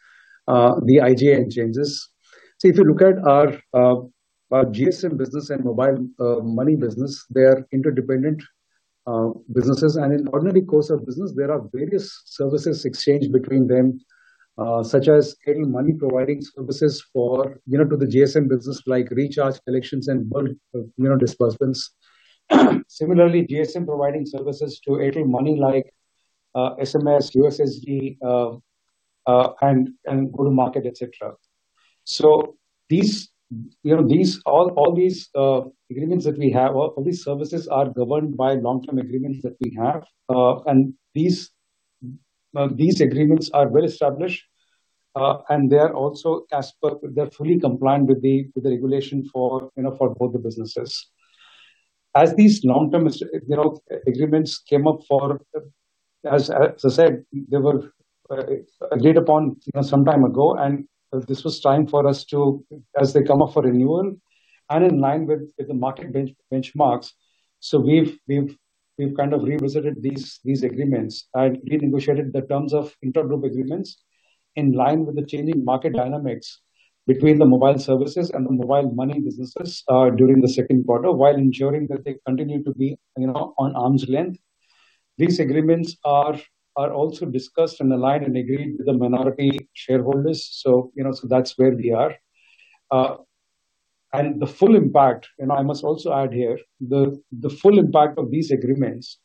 the IGN changes. If you look at our GSM business and mobile money business, they are interdependent businesses. In the ordinary course of business, there are various services exchanged between them, such as Airtel Money providing services to the GSM business, like recharge collections and bulk disbursements. Similarly, GSM provides services to Airtel Money, like SMS, USSD, and go-to-market, etc. All these agreements that we have, all these services are governed by long-term agreements that we have. These agreements are well established, and they are also fully compliant with the regulation for both the businesses. As these long-term agreements came up for renewal and in line with the market benchmarks, we've revisited these agreements and renegotiated the terms of inter-group agreements in line with the changing market dynamics between the mobile services and the mobile money businesses during the second quarter, while ensuring that they continue to be on arm's length. These agreements are also discussed, aligned, and agreed with the minority shareholders. That's where we are. I must also add here, the full impact of these agreements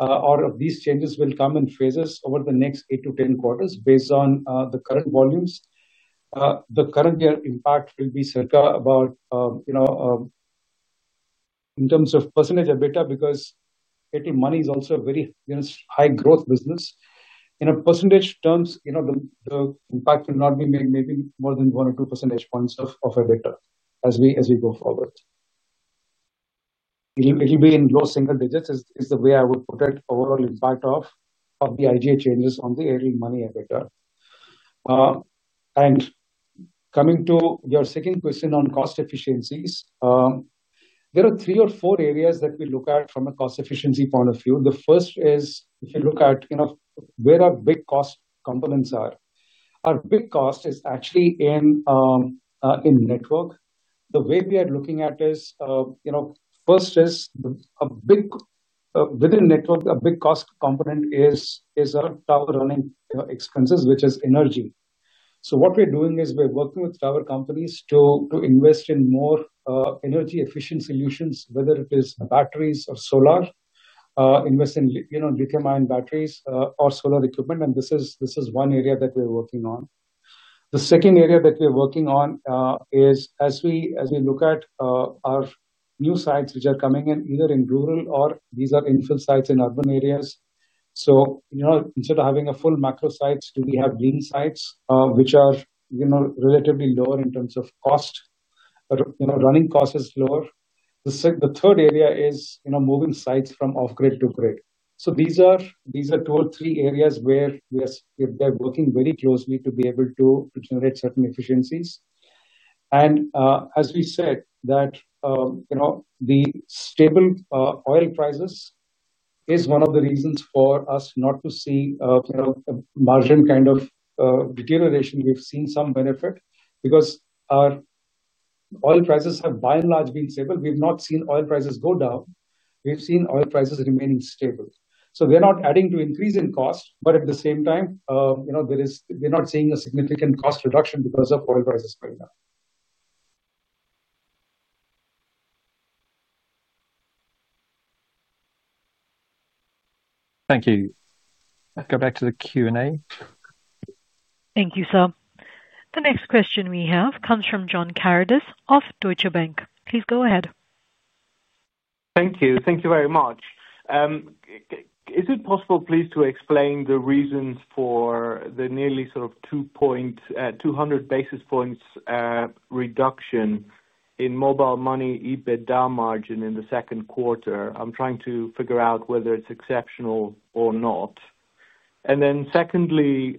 or of these changes will come in phases over the next eight to 10 quarters based on the current volumes. The current year impact will be circa about, in terms of percentage EBITDA, because Airtel Money is also a very high-growth business. In percentage terms, the impact will not be maybe more than 1% or 2% of EBITDA as we go forward. It'll be in low single digits, is the way I would put it, overall impact of the IGN changes on the Airtel Money EBITDA. Coming to your second question on cost efficiencies, there are three or four areas that we look at from a cost efficiency point of view. The first is if you look at where our big cost components are. Our big cost is actually in network. The way we are looking at it is, first, within network, a big cost component is our tower running expenses, which is energy. What we're doing is we're working with tower companies to invest in more energy-efficient solutions, whether it is batteries or solar, invest in lithium-ion batteries or solar equipment. This is one area that we're working on. The second area that we're working on is as we look at our new sites which are coming in, either in rural or these are infill sites in urban areas. Instead of having full macro sites, do we have lean sites, which are relatively lower in terms of cost? Running cost is lower. The third area is moving sites from off-grid to grid. These are two or three areas where they're working very closely to be able to generate certain efficiencies. As we said, the stable oil prices is one of the reasons for us not to see a margin kind of deterioration. We've seen some benefit because our oil prices have by and large been stable. We've not seen oil prices go down. We've seen oil prices remaining stable. They're not adding to increase in cost, but at the same time, they're not seeing a significant cost reduction because of oil prices going up. Thank you. Let's go back to the Q&A. Thank you, sir. The next question we have comes from John Karidis of Deutsche Bank. Please go ahead. Thank you. Thank you very much. Is it possible, please, to explain the reasons for the nearly sort of, 200 basis points, reduction in mobile money EBITDA margin in the second quarter? I'm trying to figure out whether it's exceptional or not. Secondly,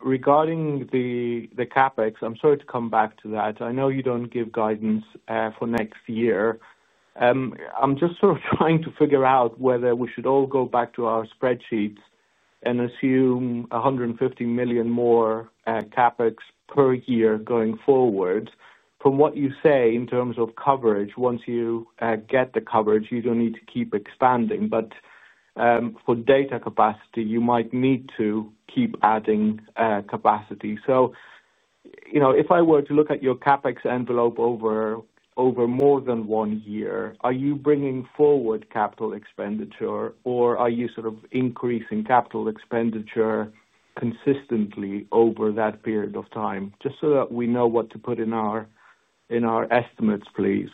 regarding the CapEx, I'm sorry to come back to that. I know you don't give guidance for next year. I'm just sort of trying to figure out whether we should all go back to our spreadsheets and assume $150 million more CapEx per year going forward. From what you say in terms of coverage, once you get the coverage, you don't need to keep expanding. For data capacity, you might need to keep adding capacity. If I were to look at your CapEx envelope over more than one year, are you bringing forward capital expenditure, or are you sort of increasing capital expenditure consistently over that period of time? Just so that we know what to put in our estimates, please.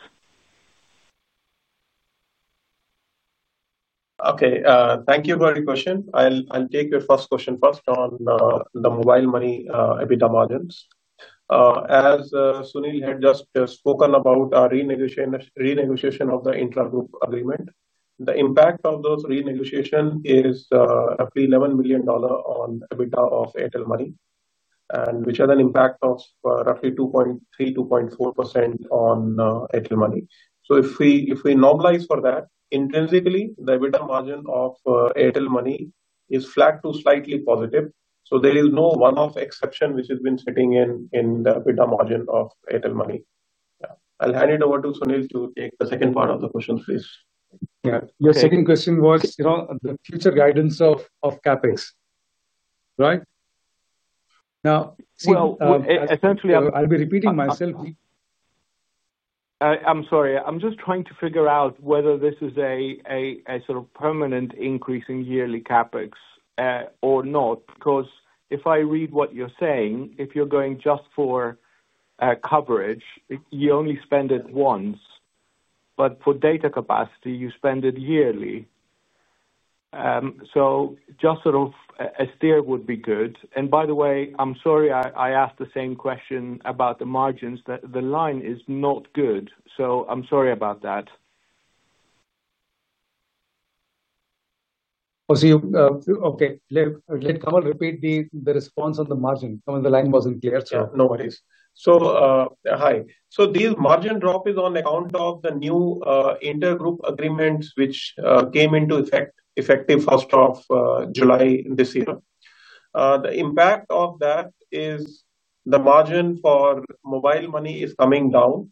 Okay. Thank you for the question. I'll take your first question first on the mobile money EBITDA margins. As Sunil had just spoken about our renegotiation of the intra-group agreement, the impact of those renegotiations is roughly $11 million on EBITDA of Airtel Money, which has an impact of roughly 2.3% to 2.4% on Airtel Money. If we normalize for that, intrinsically, the EBITDA margin of Airtel Money is flat to slightly positive. There is no one-off exception which has been sitting in the EBITDA margin of Airtel Money. I'll hand it over to Sunil to take the second part of the question, please. Yeah. Your second question was, you know, the future guidance of CapEx, right? Now, see, essentially, I'll be repeating myself. I'm sorry. I'm just trying to figure out whether this is a sort of permanent increase in yearly CapEx or not. Because if I read what you're saying, if you're going just for coverage, you only spend it once. For data capacity, you spend it yearly. Just sort of a steer would be good. By the way, I'm sorry. I asked the same question about the margins. The line is not good. I'm sorry about that. Oh, see, okay. Let Kamal repeat the response on the margin. Kamal, the line wasn't clear. No worries. Hi. The margin drop is on account of the new inter-group agreements, which came into effect effective July 1, 2023. The impact of that is the margin for mobile money is coming down.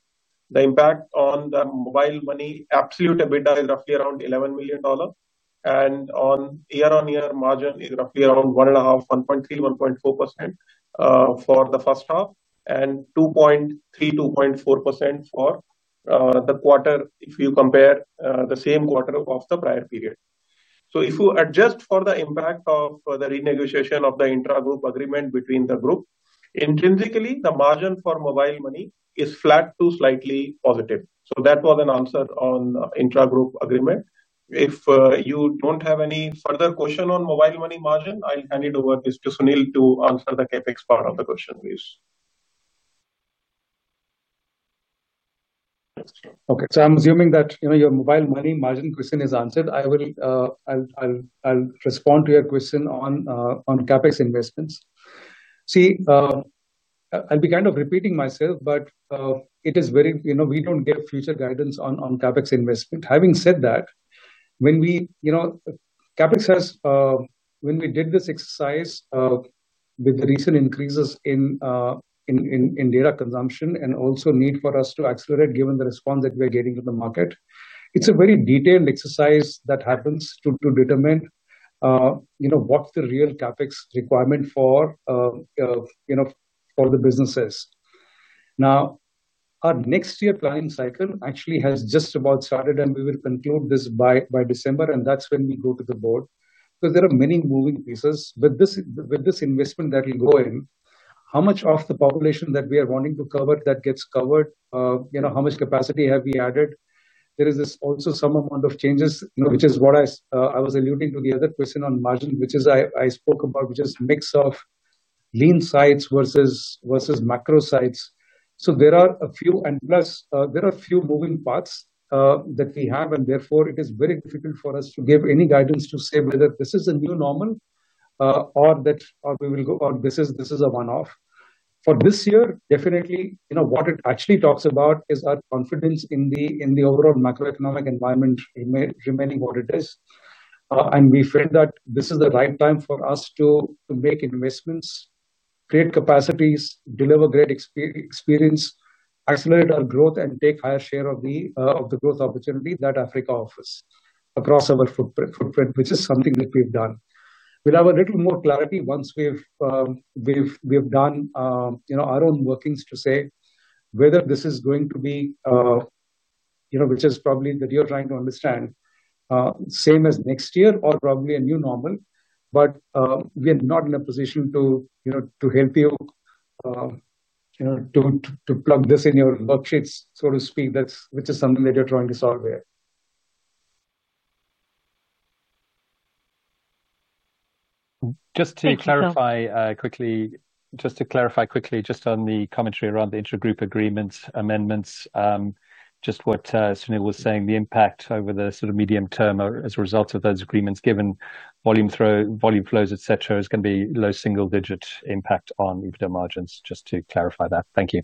The impact on the mobile money absolute EBITDA is roughly around $11 million. On year-on-year margin, it's roughly around 1.5%, 1.3%, 1.4% for the first half and 2.3%, 2.4% for the quarter if you compare the same quarter of the prior period. If you adjust for the impact of the renegotiation of the intra-group agreement between the groups, intrinsically, the margin for mobile money is flat to slightly positive. That was an answer on the intra-group agreement. If you don't have any further question on mobile money margin, I'll hand it over to Sunil to answer the CapEx part of the question, please. Okay. So I'm assuming that, you know, your mobile money margin question is answered. I'll respond to your question on CapEx investments. See, I'll be kind of repeating myself, but it is very, you know, we don't give future guidance on CapEx investment. Having said that, when we, you know, CapEx has, when we did this exercise, with the recent increases in data consumption and also need for us to accelerate given the response that we are getting from the market, it's a very detailed exercise that happens to determine, you know, what's the real CapEx requirement for, you know, for the businesses. Now, our next year planning cycle actually has just about started, and we will conclude this by December, and that's when we go to the board. There are many moving pieces. With this investment that will go in, how much of the population that we are wanting to cover that gets covered? You know, how much capacity have we added? There is also some amount of changes, you know, which is what I was alluding to the other question on margin, which is I spoke about, which is a mix of lean sites versus macro sites. There are a few, and plus, there are a few moving parts that we have, and therefore, it is very difficult for us to give any guidance to say whether this is the new normal, or that or we will go, or this is a one-off. For this year, definitely, you know, what it actually talks about is our confidence in the overall macroeconomic environment remaining what it is. We feel that this is the right time for us to make investments, create capacities, deliver great experience, accelerate our growth, and take higher share of the growth opportunity that Africa offers across our footprint, which is something that we've done. We'll have a little more clarity once we've done, you know, our own workings to say whether this is going to be, you know, which is probably that you're trying to understand, same as next year or probably a new normal. We are not in a position to, you know, to help you, you know, to plug this in your worksheets, so to speak, which is something that you're trying to solve here. Just to clarify quickly, just on the commentary around the inter-group agreement amendments, just what Sunil was saying, the impact over the sort of medium term as a result of those agreements, given volume flows, etc., is going to be low single-digit impact on EBITDA margins, just to clarify that. Thank you.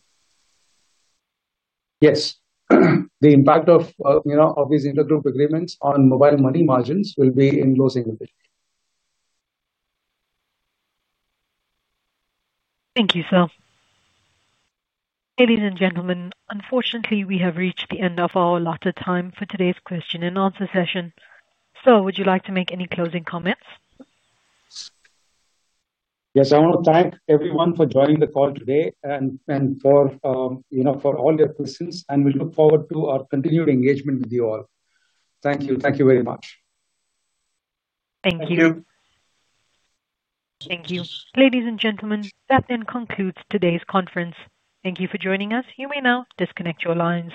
Yes, the impact of these inter-group agreements on mobile money margins will be in low single-digit. Thank you, sir. Ladies and gentlemen, unfortunately, we have reached the end of our allotted time for today's question and answer session. Sir, would you like to make any closing comments? Yes. I want to thank everyone for joining the call today and for, you know, for all your questions. We look forward to our continued engagement with you all. Thank you. Thank you very much. Thank you. Thank you. Thank you. Ladies and gentlemen, that then concludes today's conference. Thank you for joining us. You may now disconnect your lines.